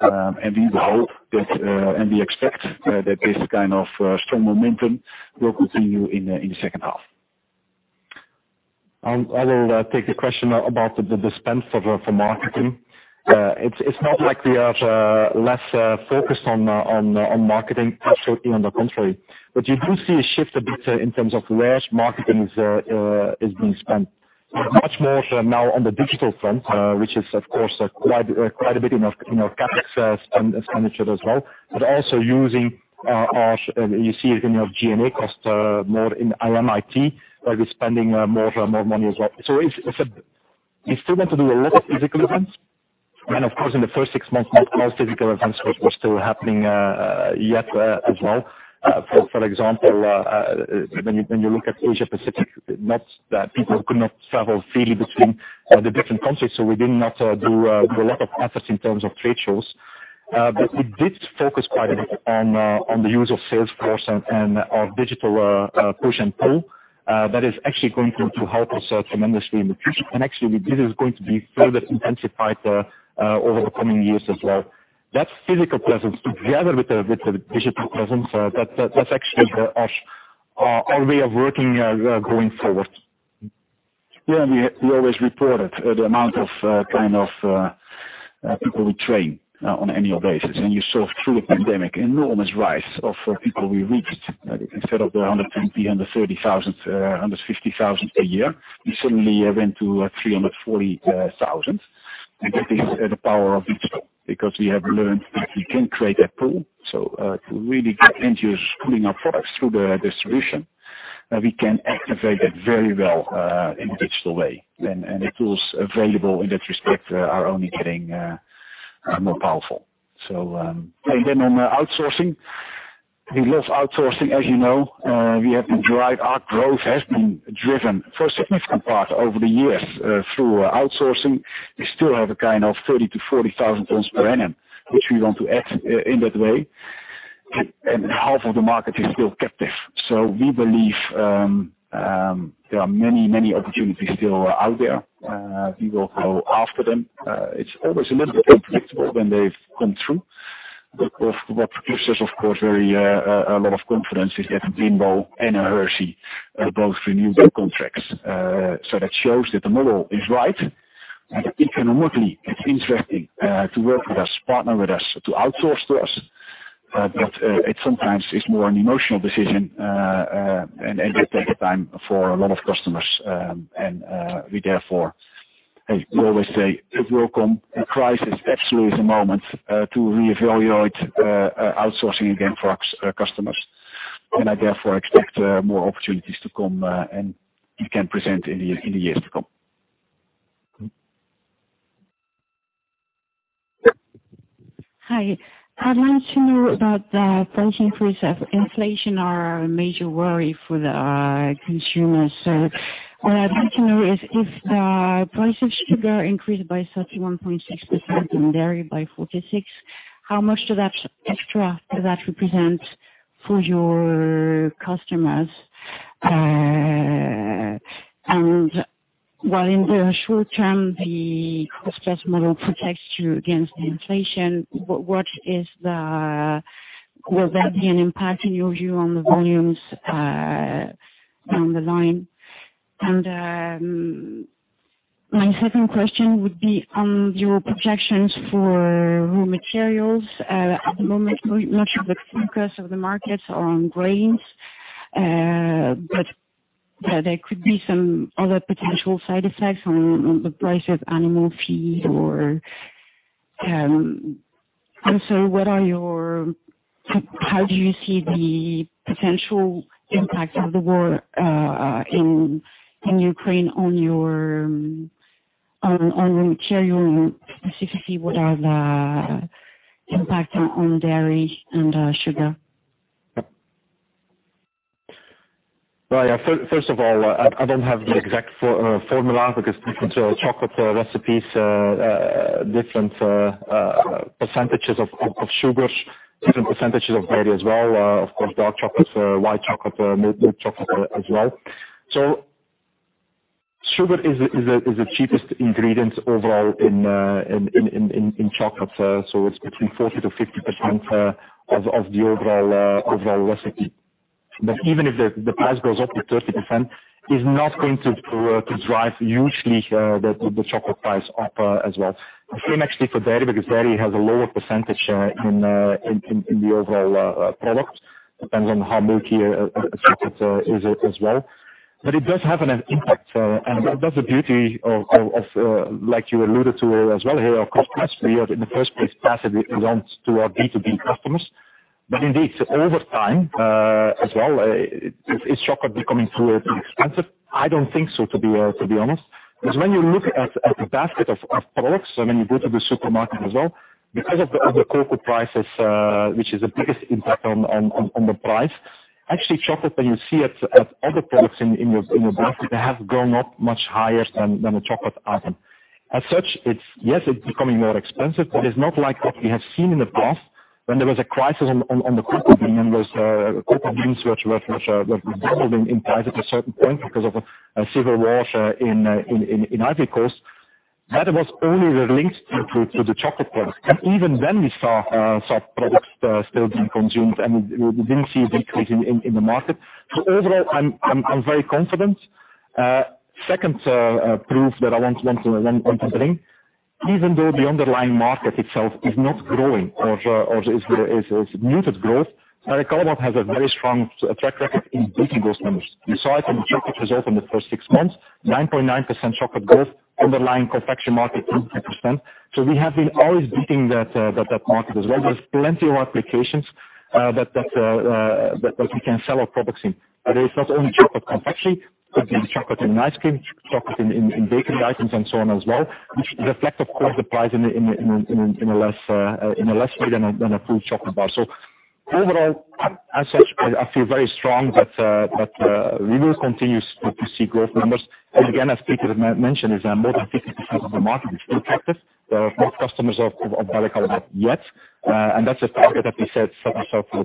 We hope that and we expect that this kind of strong momentum will continue in the second half. I will take the question about the spend for marketing. It's not like we are less focused on marketing. Actually, on the contrary. You do see a shift a bit in terms of where marketing is being spent. Much more now on the digital front, which is of course quite a bit in our CapEx spend, expenditure as well. You see it in our G&A costs, more in IM&IT, where we're spending more money as well. We still want to do a lot of physical events. Of course, in the first six months, not all physical events were still happening yet as well. For example, when you look at Asia Pacific, not that people could not travel freely between the different countries, so we did not do a lot of efforts in terms of trade shows. But we did focus quite a bit on the use of Salesforce and our digital push and pull that is actually going to help us out tremendously in the future. Actually, this is going to be further intensified over the coming years as well. That physical presence together with the digital presence, that's actually our way of working going forward. Yeah, we always reported the amount of kind of people we train on an annual basis. You saw through the pandemic enormous rise of people we reached. Instead of the 120, 130 thousand, 150 thousand a year, we suddenly went to 340,000. That is the power of digital because we have learned that we can create that pool. To really get end users pulling our products through the distribution, we can activate it very well in a digital way. The tools available in that respect are only getting more powerful. On outsourcing, we love outsourcing, as you know. Our growth has been driven for a significant part over the years through outsourcing. We still have a kind of 30,000-40,000 tons per annum, which we want to add in that way. Half of the market is still captive. We believe there are many opportunities still out there. We will go after them. It's always a little bit unpredictable when they've come through. What produces, of course, a lot of confidence is that Bimbo and Hershey both renewed their contracts. That shows that the model is right, that economically it's interesting to work with us, partner with us, to outsource to us. It sometimes is more an emotional decision, and it takes time for a lot of customers. We therefore always say it will come. A crisis actually is a moment to reevaluate outsourcing again for our customers, and I therefore expect more opportunities to come, and we can present in the years to come. Hi. I'd like to know about the price increases from inflation are a major worry for the consumers. What I'd like to know is if the price of sugar increased by 31.6% and dairy by 46%, how much of that extra does that represent for your customers? While in the short term, the cost-plus model protects you against the inflation, will that be an impact in your view on the volumes down the line? My second question would be on your projections for raw materials. At the moment, much of the focus of the markets are on grains, but there could be some other potential side effects on the price of animal feed or. What are your, how do you see the potential impact of the war in Ukraine on your raw material input to see what are the impact on dairy and sugar? Well, yeah. First of all, I don't have the exact formula because different chocolate recipes, different percentages of sugars, different percentages of dairy as well. Of course, dark chocolate, white chocolate, milk chocolate as well. Sugar is the cheapest ingredient overall in chocolate. It's between 40%-50% of the overall recipe. Even if the price goes up to 30%, it's not going to drive hugely the chocolate price up as well. The same actually for dairy, because dairy has a lower percentage in the overall product. Depends on how milky it is as well. It does have an impact, and that's the beauty of, like you alluded to as well here, our customers, we are in the first place pass it along to our B2B customers. Indeed, over time, as well, is chocolate becoming too expensive? I don't think so, to be honest. 'Cause when you look at the basket of products, so when you go to the supermarket as well, because of the cocoa prices, which is the biggest impact on the price, actually chocolate that you see at other products in your basket, they have gone up much higher than the chocolate item. As such, it's. Yes, it's becoming more expensive, but it's not like what we have seen in the past when there was a crisis on the cocoa bean, when there was cocoa beans which doubled in price at a certain point because of a civil war in Ivory Coast. That was only linked to the chocolate price. Even then we saw products still being consumed, and we didn't see a decrease in the market. Overall, I'm very confident. Second proof that I want to bring, even though the underlying market itself is not growing or is muted growth, Barry Callebaut has a very strong track record in beating those numbers. You saw it in the chocolate result in the first six months, 9.9% chocolate growth, underlying confectionery market 10%. We have been always beating that market as well. There's plenty of applications that we can sell our products in. But it's not only Chocolate Confectionery, could be Chocolate in Ice Cream, Chocolate in Bakery items and so on as well, which reflect of course the price in a less way than a full chocolate bar. Overall, as such, I feel very strong that we will continue to see growth numbers. Again, as Peter mentioned, more than 50% of the market is still captive. There are more customers of Barry Callebaut yet, and that's a target that we set ourself for our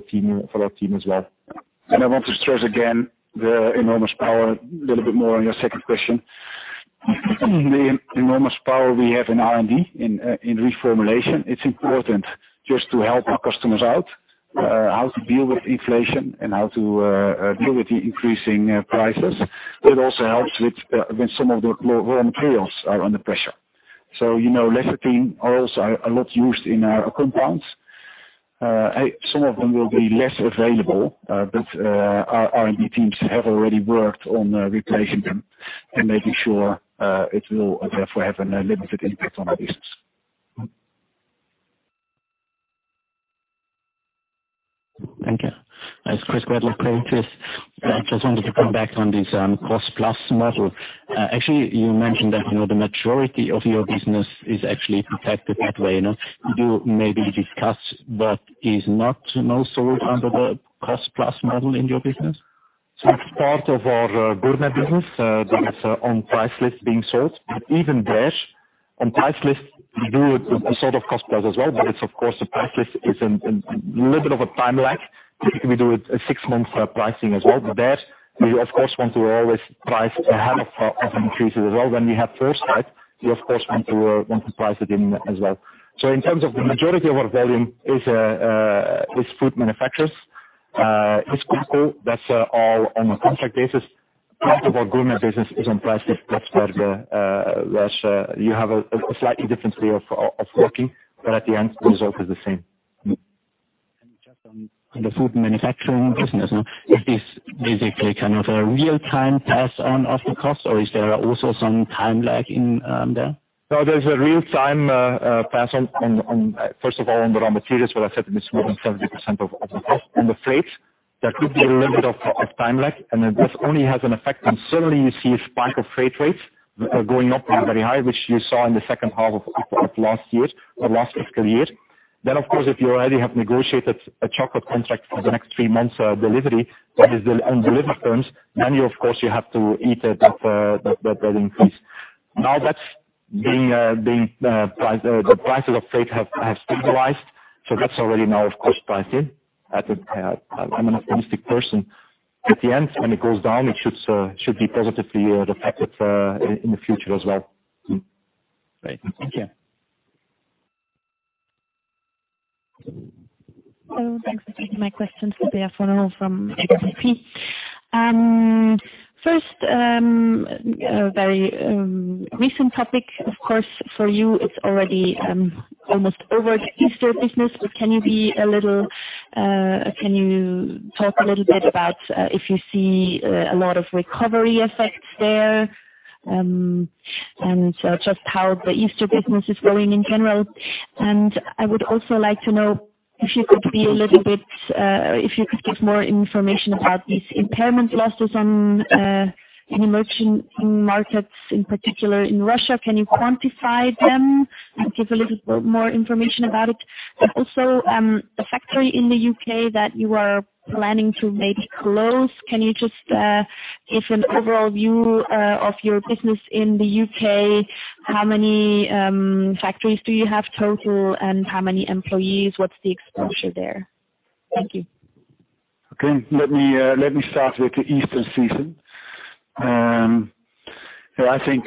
team as well. I want to stress again the enormous power, a little bit more on your second question, the enormous power we have in R&D, in reformulation. It's important just to help our customers out how to deal with inflation and how to deal with the increasing prices. It also helps with when some of the raw materials are under pressure. You know, Lecithin oils are a lot used in our compounds. Some of them will be less available, but our R&D teams have already worked on replacing them and making sure it will therefore have a limited impact on our business. Thank you. As Chris Gladwin pointed, I just wanted to come back on this, cost-plus model. Actually, you mentioned that, you know, the majority of your business is actually protected that way, no? Could you maybe discuss what is not sold under the cost-plus model in your business? It's part of our Gourmet business that is on price list being sold, but even there on price list, we do it sort of cost-plus as well. It's of course the price list is a little bit of a time lag. We do it a six-month pricing as well. There we of course want to always price ahead of increases as well. When we have first sight, we of course want to price it in as well. In terms of the majority of our volume is food manufacturers. It's critical. That's all on a contract basis. Part of our Gourmet business is on price list. That's where you have a slightly different way of working, but at the end the result is the same. Just on the food manufacturing business now, is this basically kind of a real time pass on of the cost or is there also some time lag in there? No, there's a real time pass on, first of all on the raw materials, what I said is more than 70% of the cost. On the freight there could be a little bit of time lag. This only has an effect when suddenly you see a spike of freight rates going up very high, which you saw in the second half of last year or last fiscal year. Of course, if you already have negotiated a chocolate contract for the next three months delivery that is on delivered terms, you of course have to eat that increase. Now that's being priced in. The prices of freight have stabilized, so that's already now of course priced in. I'm an optimistic person. At the end, when it goes down, it should be positively affected in the future as well. Great. Thank you. Hello. Thanks for taking my questions. A follow-up from Exane BNP. First, very recent topic, of course for you it's already almost over the Easter business, but can you talk a little bit about if you see a lot of recovery effects there, and just how the Easter business is going in general? I would also like to know if you could give more information about these impairment losses in emerging markets, in particular in Russia. Can you quantify them and give a little bit more information about it? The factory in the U.K. that you are planning to maybe close. Can you just give an overall view of your business in the U.K.? How many factories do you have total, and how many employees? What's the exposure there? Thank you. Okay. Let me start with the Easter season. I think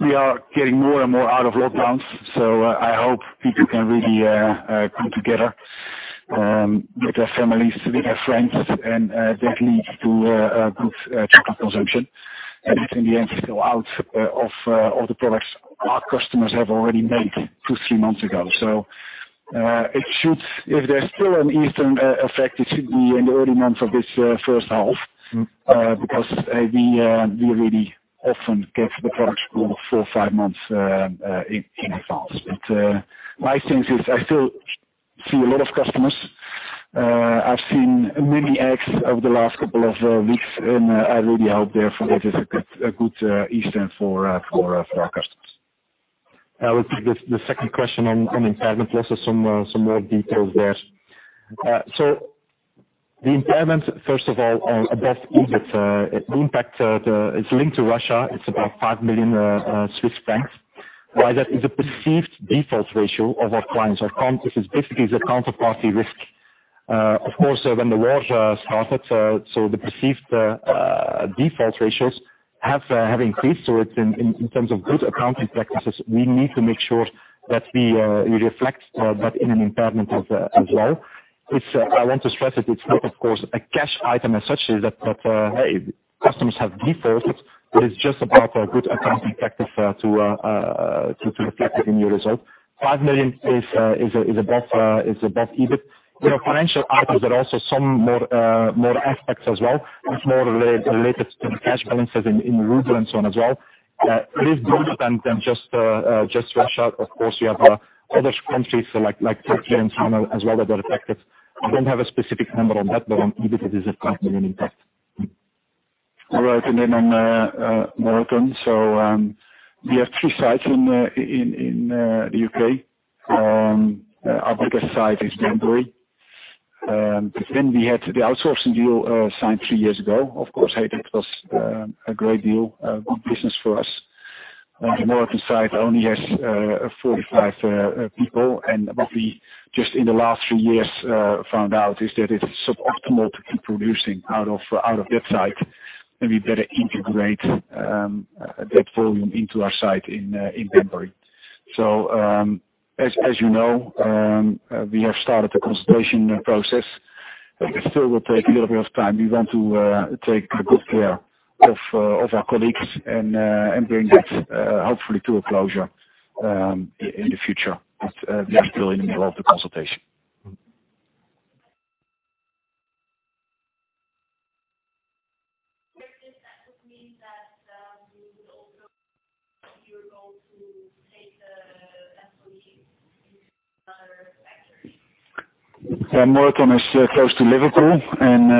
we are getting more and more out of lockdowns, so I hope people can really come together with their families, with their friends and that leads to a good chocolate consumption. In the end, still out of all the products our customers have already made two, three months ago. If there's still an Easter effect, it should be in the early months of this first half, because we really often get the products four, five months in advance. My sense is I still see a lot of customers. I've seen many eggs over the last couple of weeks, and I really hope therefore it is a good Easter for our customers. I will take the second question on impairment loss or some more details there. The impairment first of all on above EBIT, the impact, it's linked to Russia. It's about 5 million Swiss francs. Why? That is a perceived default ratio of our clients. This is basically the counterparty risk. Of course, when the war started, the perceived default ratios have increased. It's in terms of good accounting practices, we need to make sure that we reflect that in an impairment as well. I want to stress it. It's not of course a cash item as such. It's the fact that customers have defaulted, but it's just about a good accounting practice to reflect it in your results. 5 million is above EBIT. There are financial items that are also some more aspects as well. It's more related to the cash balances in ruble and so on as well. It is broader than just Russia. Of course you have other countries like Turkey and so on as well that are affected. I don't have a specific number on that, but on EBIT it is a CHF 5 million impact. All right. On Moreton. We have three sites in the U.K. Our biggest site is Banbury. We had the outsourcing deal signed three years ago. Of course, hey, that was a great deal, good business for us. The Moreton site only has 45 people. What we just in the last three years found out is that it's suboptimal to keep producing out of that site, and we better integrate that volume into our site in Banbury. As you know, we have started the consultation process. It still will take a little bit of time. We want to take good care of our colleagues and bring that hopefully to a closure in the future. We are still in the middle of the consultation. Does this also mean that you would also your goal to take the employees into another factory? Yeah, Moreton is close to Liverpool, and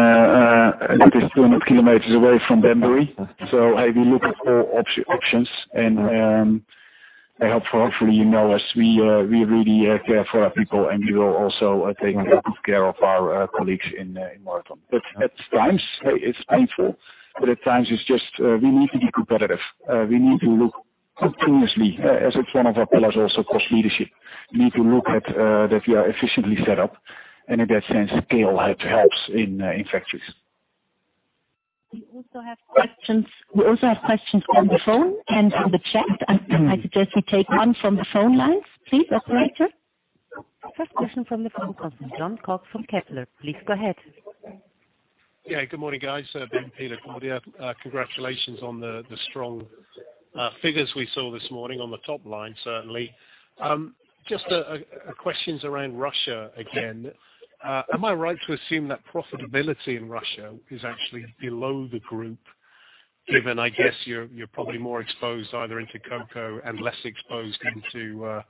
that is 200km away from Banbury. We look at all options and I hope, hopefully, you know, as we really care for our people, and we will also take good care of our colleagues in Moreton. At times, it's painful, but at times, it's just we need to be competitive. We need to look continuously as it's one of our pillars of cost leadership. We need to look at that we are efficiently set up, and in that sense, scale helps in factories. We also have questions on the phone and on the chat. I suggest we take one from the phone lines, please, operator. First question from the phone comes from Jon Cox from Kepler. Please go ahead. Yeah. Good morning, guys. Ben, Peter, Claudia, congratulations on the strong figures we saw this morning on the top line, certainly. Just questions around Russia again. Am I right to assume that profitability in Russia is actually below the group, given, I guess, you're probably more exposed either into Cocoa and less exposed into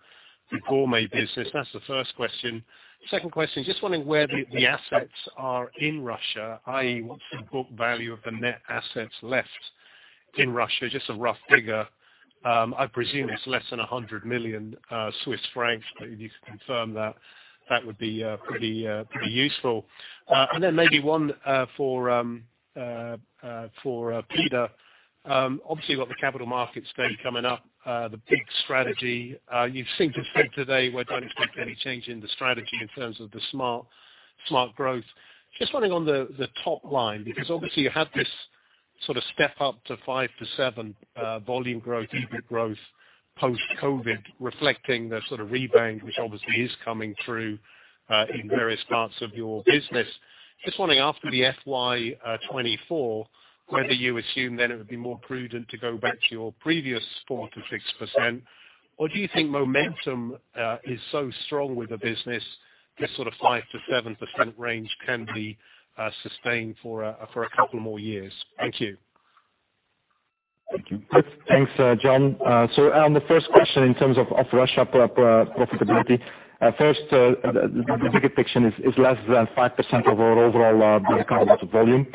the Gourmet business? That's the first question. Second question, just wondering where the assets are in Russia, i.e., what's the book value of the net assets left in Russia? Just a rough figure. I presume it's less than 100 million Swiss francs, but if you could confirm that would be pretty useful. Then maybe one for Peter. Obviously, with the Capital Market Day coming up, the big strategy. You seem to think today we don't expect any change in the strategy in terms of the smart growth. Just wondering on the top line, because obviously you have this sort of step-up to 5%-7% volume growth, EBIT growth, post-COVID, reflecting the sort of rebound, which obviously is coming through in various parts of your business. Just wondering after the FY 2024, whether you assume then it would be more prudent to go back to your previous 4%-6%, or do you think momentum is so strong with the business, this sort of 5%-7% range can be sustained for a couple more years? Thank you. Thank you. Thanks, Jon. On the first question, in terms of Russian profitability, first, the bigger picture is less than 5% of our overall because of volume.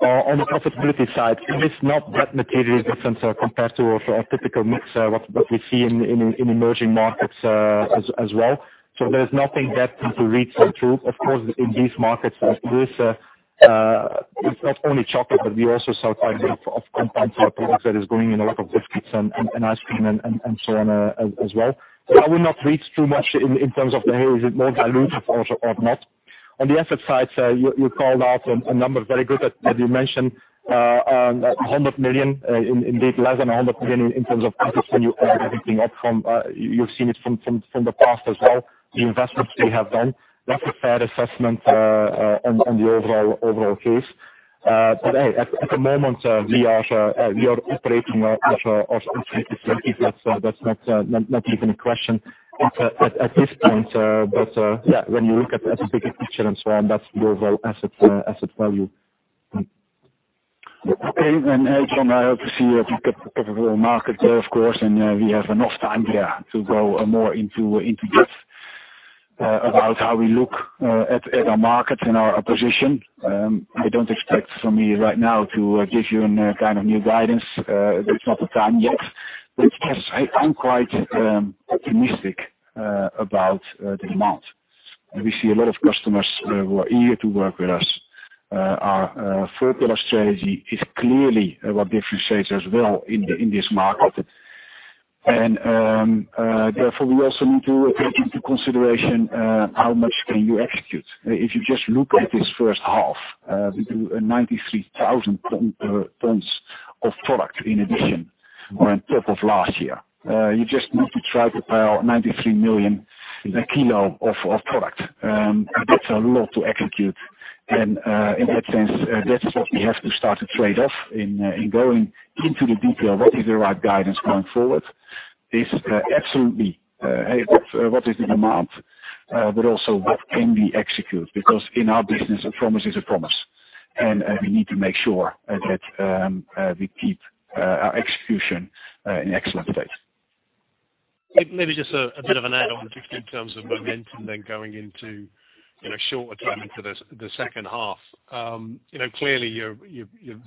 On the profitability side, it is not that materially different compared to a typical mix what we see in emerging markets as well. There is nothing to read through. Of course, in these markets with this, it's not only chocolate, but we also sell quite a bit of compounds for our products that is going in a lot of biscuits and ice cream and so on as well. I will not read too much in terms of the, is it more dilutive or not. On the asset side, you called out a number. Very good that you mentioned 100 million, indeed less than 100 million in terms of assets when you add everything up from what you've seen from the past as well, the investments we have done. That's a fair assessment on the overall case. Hey, at the moment, we are operating as a strategic entity. That's not even a question at this point. Yeah, when you look at the bigger picture and so on, that's the overall asset value. Okay. John, I hope to see you pick up a little market there, of course. We have enough time here to go more into depth about how we look at our market and our position. I don't expect from me right now to give you a kind of new guidance. That's not the time yet. Yes, I'm quite optimistic about the demand. We see a lot of customers who are eager to work with us. Our third pillar strategy is clearly what differentiates us well in this market. Therefore, we also need to take into consideration how much can you execute. If you just look at this first half, we do 93,000 tons of product in addition or on top of last year. You just need to try to pile 93 million kilo of product. That's a lot to execute. In that sense, that's what we have to start to trade off in going into the detail. What is the right guidance going forward? This absolutely what is the demand, but also what can we execute? Because in our business, a promise is a promise, and we need to make sure that we keep our execution in excellent state. Maybe just a bit of an add-on in terms of momentum then going into the second half in the short term. You know, clearly you're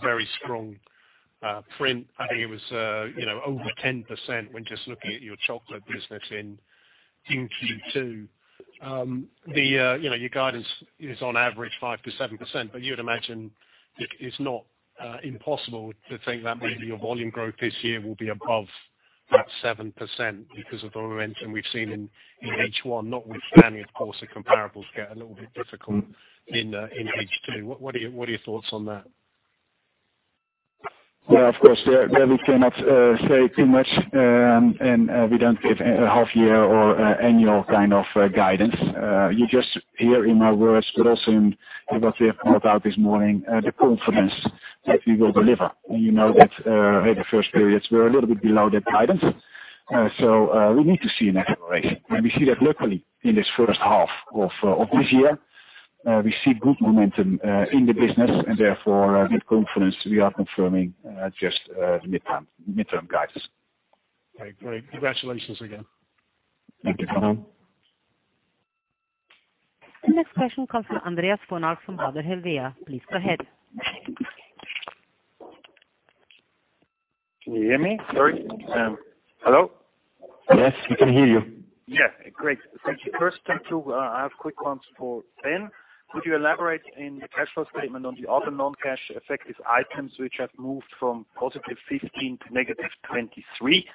very strong print. I think it was you know over 10% when just looking at your chocolate business in Q2. You know, your guidance is on average 5%-7%, but you would imagine it is not impossible to think that maybe your volume growth this year will be above that 7% because of the momentum we've seen in H1, notwithstanding, of course, the comparables get a little bit difficult in H2. What are your thoughts on that? Yeah, of course, there we cannot say too much. We don't give a half year or annual kind of guidance. You just hear in my words, but also in what we have put out this morning the confidence that we will deliver. You know that in the first periods we're a little bit below that guidance. We need to see an acceleration. We see that luckily in this first half of this year we see good momentum in the business and therefore with confidence we are confirming just the midterm guidance. Great. Congratulations again. Thank you. The next question comes from Andreas von Arx from Baader Helvea. Please go ahead. Can you hear me? Sorry. Hello? Yes, we can hear you. Great. Thank you. First, I have quick ones for Ben. Could you elaborate in the cash flow statement on the other non-cash items which have moved from +15 to -23?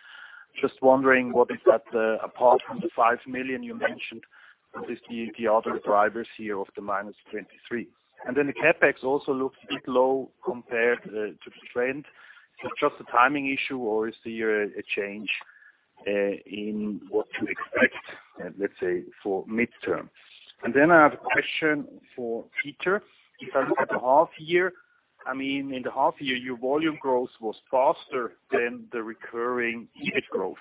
Just wondering what is that, apart from the 5 million you mentioned, what is the other drivers here of the -23. The CapEx also looks a bit low compared to the trend. Just a timing issue or is there a change in what to expect, let's say, for midterm? I have a question for Peter. If I look at the half year, I mean, in the half year, your volume growth was faster than the recurring EBIT growth.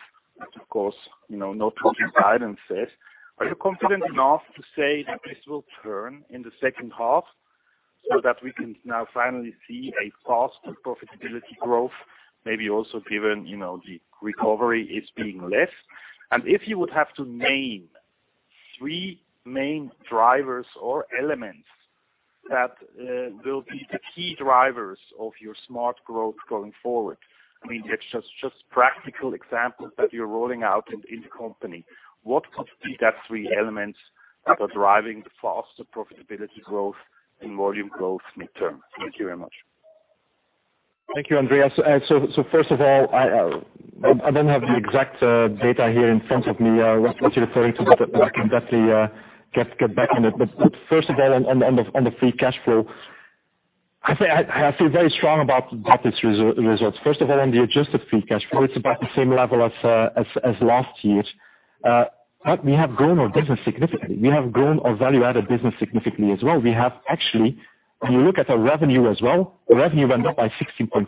Of course, you know, no talking guidance says. Are you confident enough to say that this will turn in the second half so that we can now finally see a faster profitability growth, maybe also given, you know, the recovery is being less. If you would have to name three main drivers or elements that will be the key drivers of your smart growth going forward. I mean, it's just practical examples that you're rolling out in the company. What could be that three elements that are driving the faster profitability growth and volume growth midterm? Thank you very much. Thank you, Andreas. First of all, I don't have the exact data here in front of me what you're referring to, but I can definitely get back on it. First of all, on the free cash flow, I feel very strong about that this results. First of all, on the adjusted free cash flow, it's about the same level as last year. We have grown our business significantly. We have grown our value-added business significantly as well. We have actually, when you look at our revenue as well, the revenue went up by 16.5%.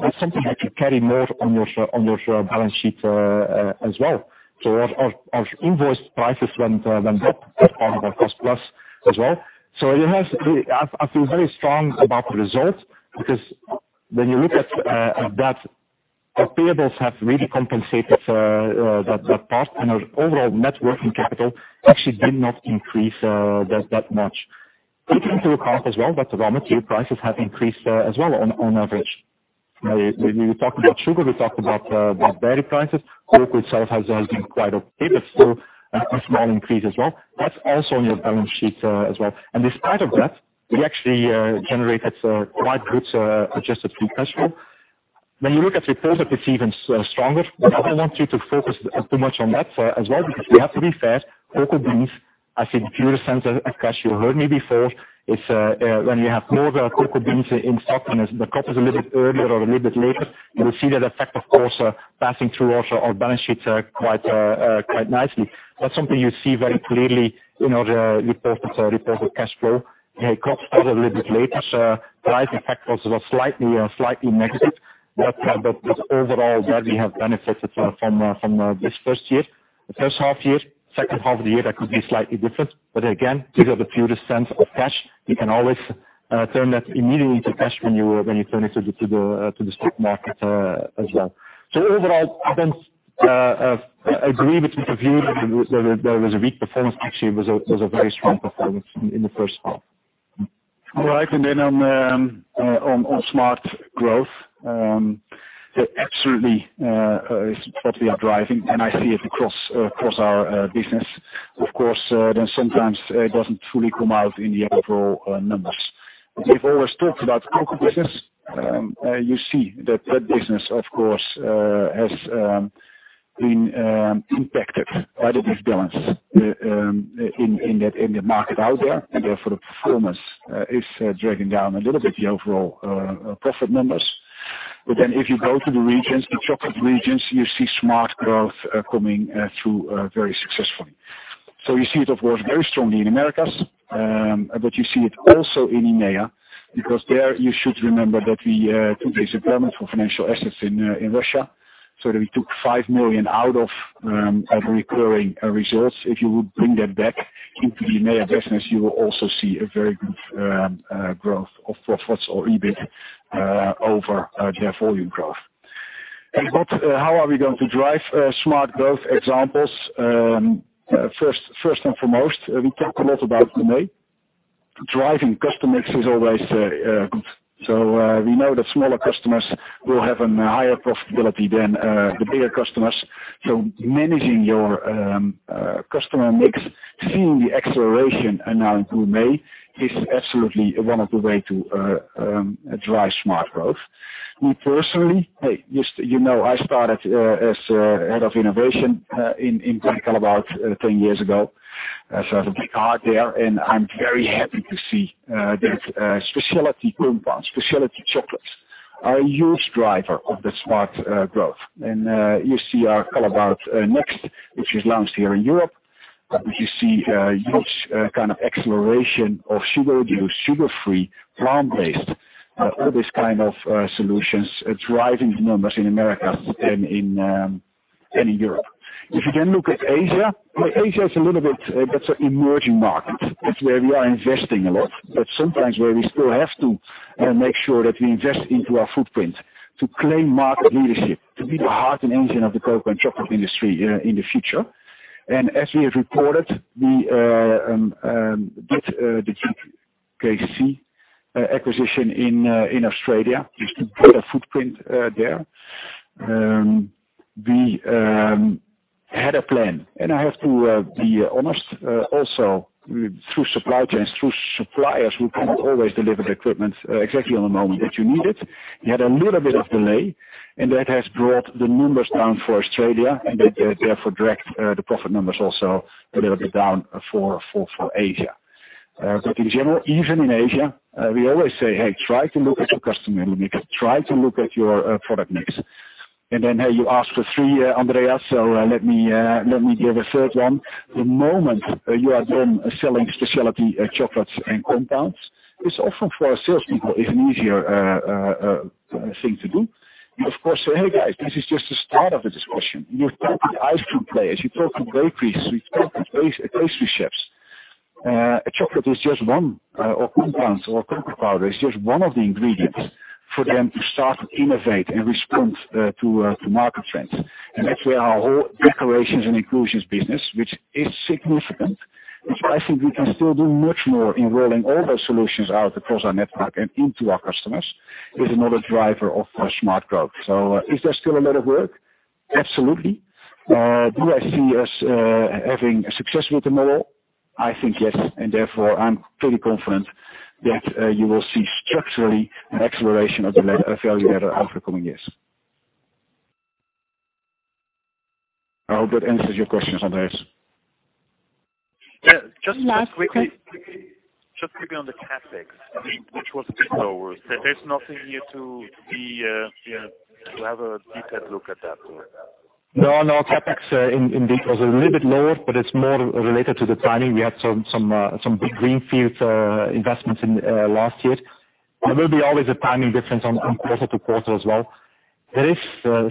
That's something that you carry more on your balance sheet as well. Our invoice prices went up on our cost plus as well. I feel very strong about the results, because when you look at that our payables have really compensated for that part and our overall net working capital actually did not increase that much. Take into account as well that the raw material prices have increased as well on average. When we talk about sugar, we talk about dairy prices. Cocoa itself has been quite okay, but still a small increase as well. That's also on your balance sheet as well. Despite of that, we actually generated some quite good adjusted free cash flow. When you look at the profit, it's even stronger. I don't want you to focus too much on that, as well, because we have to be fair. Cocoa beans, I think the purest sense of cash flow you heard me before, it's when you have more of the cocoa beans in stock and the crop is a little bit earlier or a little bit later, you will see that effect of course, passing through our balance sheets quite nicely. That's something you see very clearly in our reported cash flow. Crops started a little bit later, so price impact was slightly negative. Overall, where we have benefited from this first year, the first half year. Second half of the year, that could be slightly different. Again, these are the purest sense of cash flow. You can always turn that immediately to cash when you turn it to the stock market, as well. Overall, I don't agree with the view that there was a weak performance. Actually, it was a very strong performance in the first half. All right. On smart growth, absolutely is what we are driving, and I see it across our business. Of course, sometimes it doesn't fully come out in the overall numbers. We've always talked about Cocoa business. You see that business, of course, has been impacted by the downside in that market out there, and therefore the performance is dragging down a little bit the overall profit numbers. If you go to the regions, the chocolate regions, you see smart growth coming through very successfully. You see it of course, very strongly in Americas, but you see it also in EMEA, because there you should remember that we took an impairment for financial assets in Russia. We took 5 million out of our recurring results. If you would bring that back into the EMEA business, you will also see a very good growth of profits or EBIT over their volume growth. How are we going to drive smart growth examples? First and foremost, we talk a lot about EMEA. Driving customer mix is always, we know that smaller customers will have a higher profitability than the bigger customers. Managing your customer mix, seeing the acceleration now in EMEA is absolutely one of the way to drive smart growth. Me personally, just you know, I started as head of innovation in Callebaut about 10 years ago. I have a big heart there, and I'm very happy to see that specialty compounds, specialty chocolates are a huge driver of the smart growth. You see our Callebaut Next, which is launched here in Europe. You see a huge kind of exploration of sugar reduced, sugar-free, plant-based all these kind of solutions driving the numbers in Americas and in Europe. If you look at Asia is a little bit that's an emerging market. That's where we are investing a lot, but sometimes where we still have to make sure that we invest into our footprint. To claim market leadership, to be the heart and engine of the cocoa and chocolate industry in the future. As we have reported, we did the GKC acquisition in Australia just to put a footprint there. We had a plan. I have to be honest, also through supply chains, through suppliers, we can't always deliver the equipment exactly at the moment that you need it. You had a little bit of delay, and that has brought the numbers down for Australia, and therefore dragged the profit numbers also a little bit down for Asia. In general, even in Asia, we always say, "Hey, try to look at your customer and try to look at your product mix." Hey, you asked for three, Andreas, so let me give a third one. The moment you are done selling specialty chocolates and compounds, it's often for our salespeople an easier thing to do. You of course say, "Hey, guys, this is just the start of the discussion." You talk to ice cream players, you talk to bakeries, you talk to pastry chefs. A chocolate is just one, or compounds or cocoa powder. It's just one of the ingredients for them to start, innovate and respond to market trends. Actually our whole decorations and inclusions business, which is significant, which I think we can still do much more in rolling all those solutions out across our network and into our customers, is another driver of our smart growth. Is there still a lot of work? Absolutely. Do I see us having success with the model? I think yes, and therefore I'm pretty confident that you will see structurally an acceleration of the level of value add over the coming years. I hope that answers your questions, Andreas. Yeah. Just quickly. Last question. Just quickly on the CapEx, I mean, which was a bit lower. There's nothing here to be, you know, to have a deeper look at that or? No, no. CapEx indeed was a little bit lower, but it's more related to the timing. We had some big greenfield investments in last year. There will be always a timing difference quarter to quarter as well. There is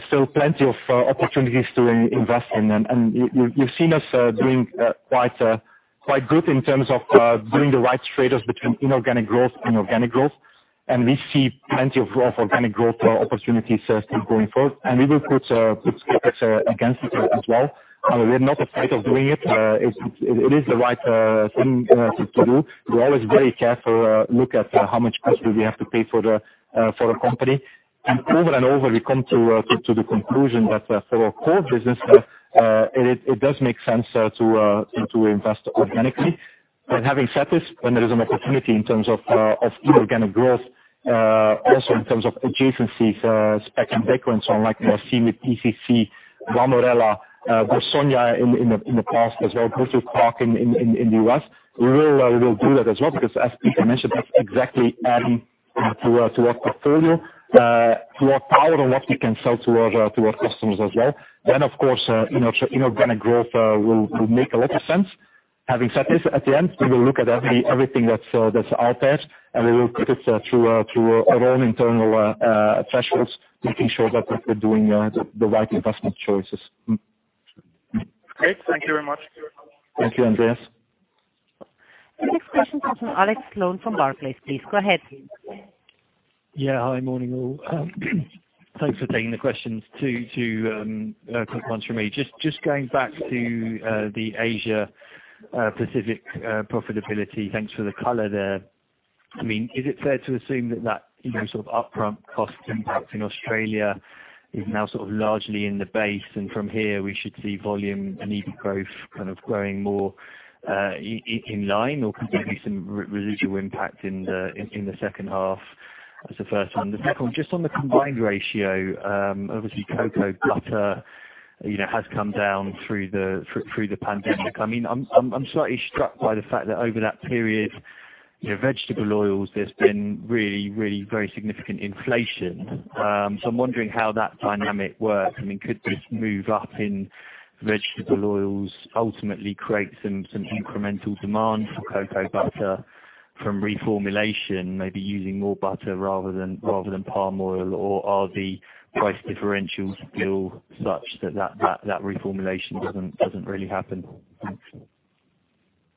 still plenty of opportunities to invest in. You've seen us doing quite good in terms of doing the right trade-offs between inorganic growth and organic growth. We see plenty of growth, organic growth, opportunities still going forward. We will put CapEx against it as well. We're not afraid of doing it. It's the right thing to do. We're always very careful look at how much cost do we have to pay for a company. Over and over, we come to the conclusion that for our core business, it does make sense to invest organically. Having said this, when there is an opportunity in terms of inorganic growth, also in terms of adjacencies, specs and backgrounds, so like what we've seen with PCC, La Morella, D'Orsogna in the past as well. Hershey's Park in the U.S. We will do that as well because as Peter mentioned, that's exactly adding to our portfolio, to our power and what we can sell to our customers as well. Of course, inorganic growth will make a lot of sense. Having said this, at the end, we will look at everything that's out there, and we will put it through our own internal thresholds, making sure that we're doing the right investment choices. Okay. Thank you very much. Thank you, Andreas. The next question comes from Alex Sloane from Barclays. Please go ahead. Yeah. Hi. Morning, all. Thanks for taking the questions. Two quick ones from me. Just going back to the Asia Pacific profitability. Thanks for the color there. I mean, is it fair to assume that you know, sort of upfront cost impact in Australia is now sort of largely in the base, and from here we should see volume and EBITDA growth kind of growing more in line? Or could there be some residual impact in the second half as the first time? The second, just on the combined ratio, obviously Cocoa Butter you know, has come down through the pandemic. I mean, I'm slightly struck by the fact that over that period, you know, vegetable oils, there's been really very significant inflation. I'm wondering how that dynamic works. I mean, could this move up in vegetable oils ultimately create some incremental demand for Cocoa Butter from reformulation, maybe using more butter rather than palm oil? Are the price differentials still such that that reformulation doesn't really happen? Thanks.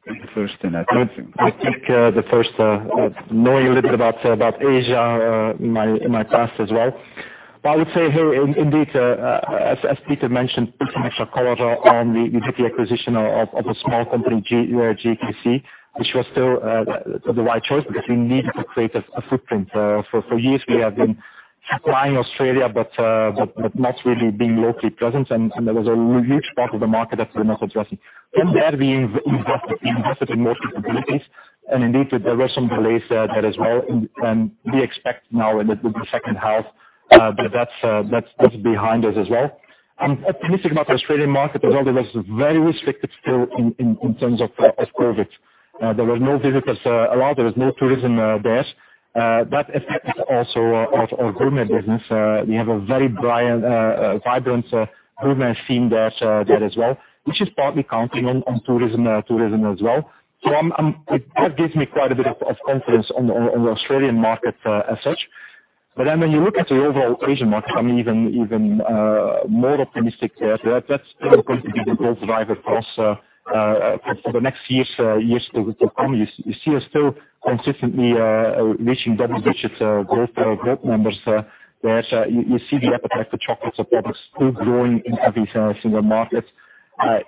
The first thing I think, knowing a little bit about Asia in my past as well. I would say here indeed, as Peter mentioned, pretty much a color on the acquisition of a small company, GKC, which was still the right choice because we needed to create a footprint. For years we have been supplying Australia, but not really being locally present. There was a huge part of the market that we're not addressing. In there we've invested in more capabilities. Indeed, there were some delays there as well. We expect now in the second half, but that's behind us as well. I'm optimistic about the Australian market as well. It was very restricted still in terms of COVID. There was no visitors allowed. There was no tourism there. That affected also our gourmet business. We have a very vibrant gourmet scene there as well, which is partly counting on tourism as well. That gives me quite a bit of confidence on the Australian market as such. When you look at the overall Asian market, I'm even more optimistic there. That's still going to be the growth driver across for the next years to come. You see us still consistently reaching double digits growth numbers there. You see the appetite for chocolates and products still growing in every single market.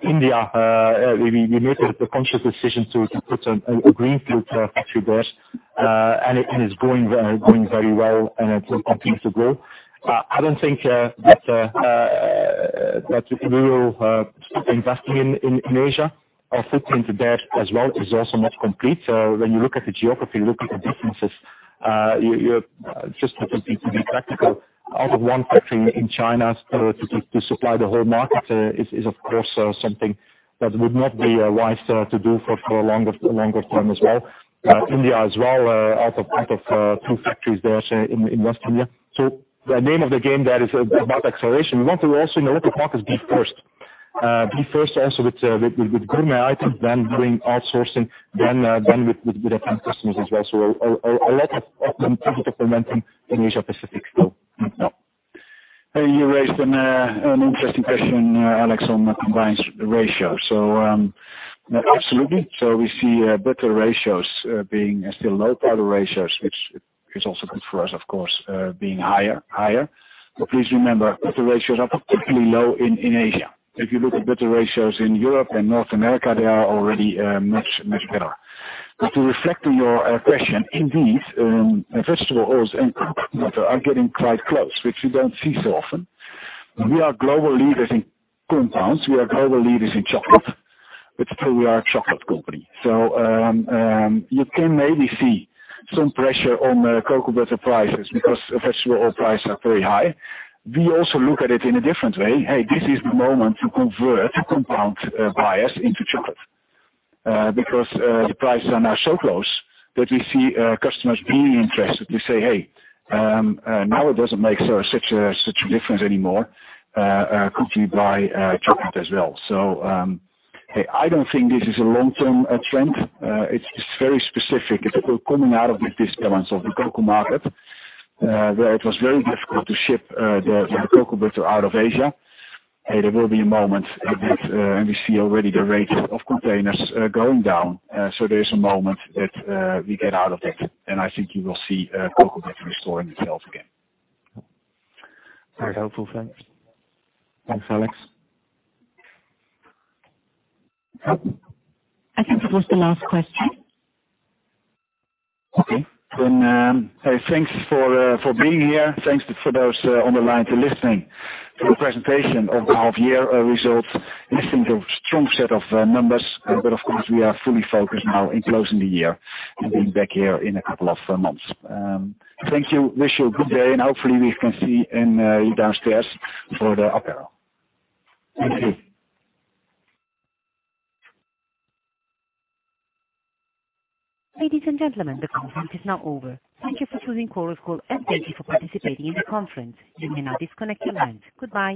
India, we made a conscious decision to put a greenfield factory there. It's going very well, and it will continue to grow. I don't think that we will stop investing in Asia. Our footprint there as well is also not complete. When you look at the geography, look at the distances, you're just hoping to be practical. Out of one factory in China to supply the whole market is of course something that would not be wise to do for a longer term as well. India as well, out of two factories there, say, in Western India. The name of the game there is about acceleration. We want to also in the liquid market be first. Be first also with gourmet items, then doing outsourcing, then with advanced systems as well. A lot of them to implementing in Asia-Pacific, yeah. You raised an interesting question, Alex, on combined ratio. Absolutely. We see butter ratios being still low, powder ratios, which is also good for us, of course, being higher. Please remember, butter ratios are particularly low in Asia. If you look at butter ratios in Europe and North America, they are already much better. To reflect on your question, indeed, vegetable oils and Cocoa Butter are getting quite close, which we don't see so often. We are global leaders in compounds. We are global leaders in chocolate, but still we are a chocolate company. You can maybe see some pressure on the Cocoa Butter prices because vegetable oil prices are very high. We also look at it in a different way. Hey, this is the moment to convert compound buyers into chocolate. Because the prices are now so close that we see customers being interested. They say, "Hey, now it doesn't make such a difference anymore. Could we buy chocolate as well?" I don't think this is a long-term trend. It's just very specific. It's coming out of the imbalance of the cocoa market, where it was very difficult to ship the Cocoa Butter out of Asia. There will be a moment, and we see already the rate of containers going down. There is a moment that we get out of it, and I think you will see Cocoa Butter restoring itself again. Very helpful. Thanks. Thanks, Alex. I think that was the last question. Okay. Hey, thanks for being here. Thanks to those on the line for listening to the presentation of the half-year results. This is a strong set of numbers, but of course, we are fully focused now on closing the year and being back here in a couple of months. Thank you. Wish you a good day, and hopefully we can see you downstairs for the apéro. Thank you. Ladies and gentlemen, the conference is now over. Thank you for choosing Chorus Call, and thank you for participating in the conference. You may now disconnect your lines. Goodbye.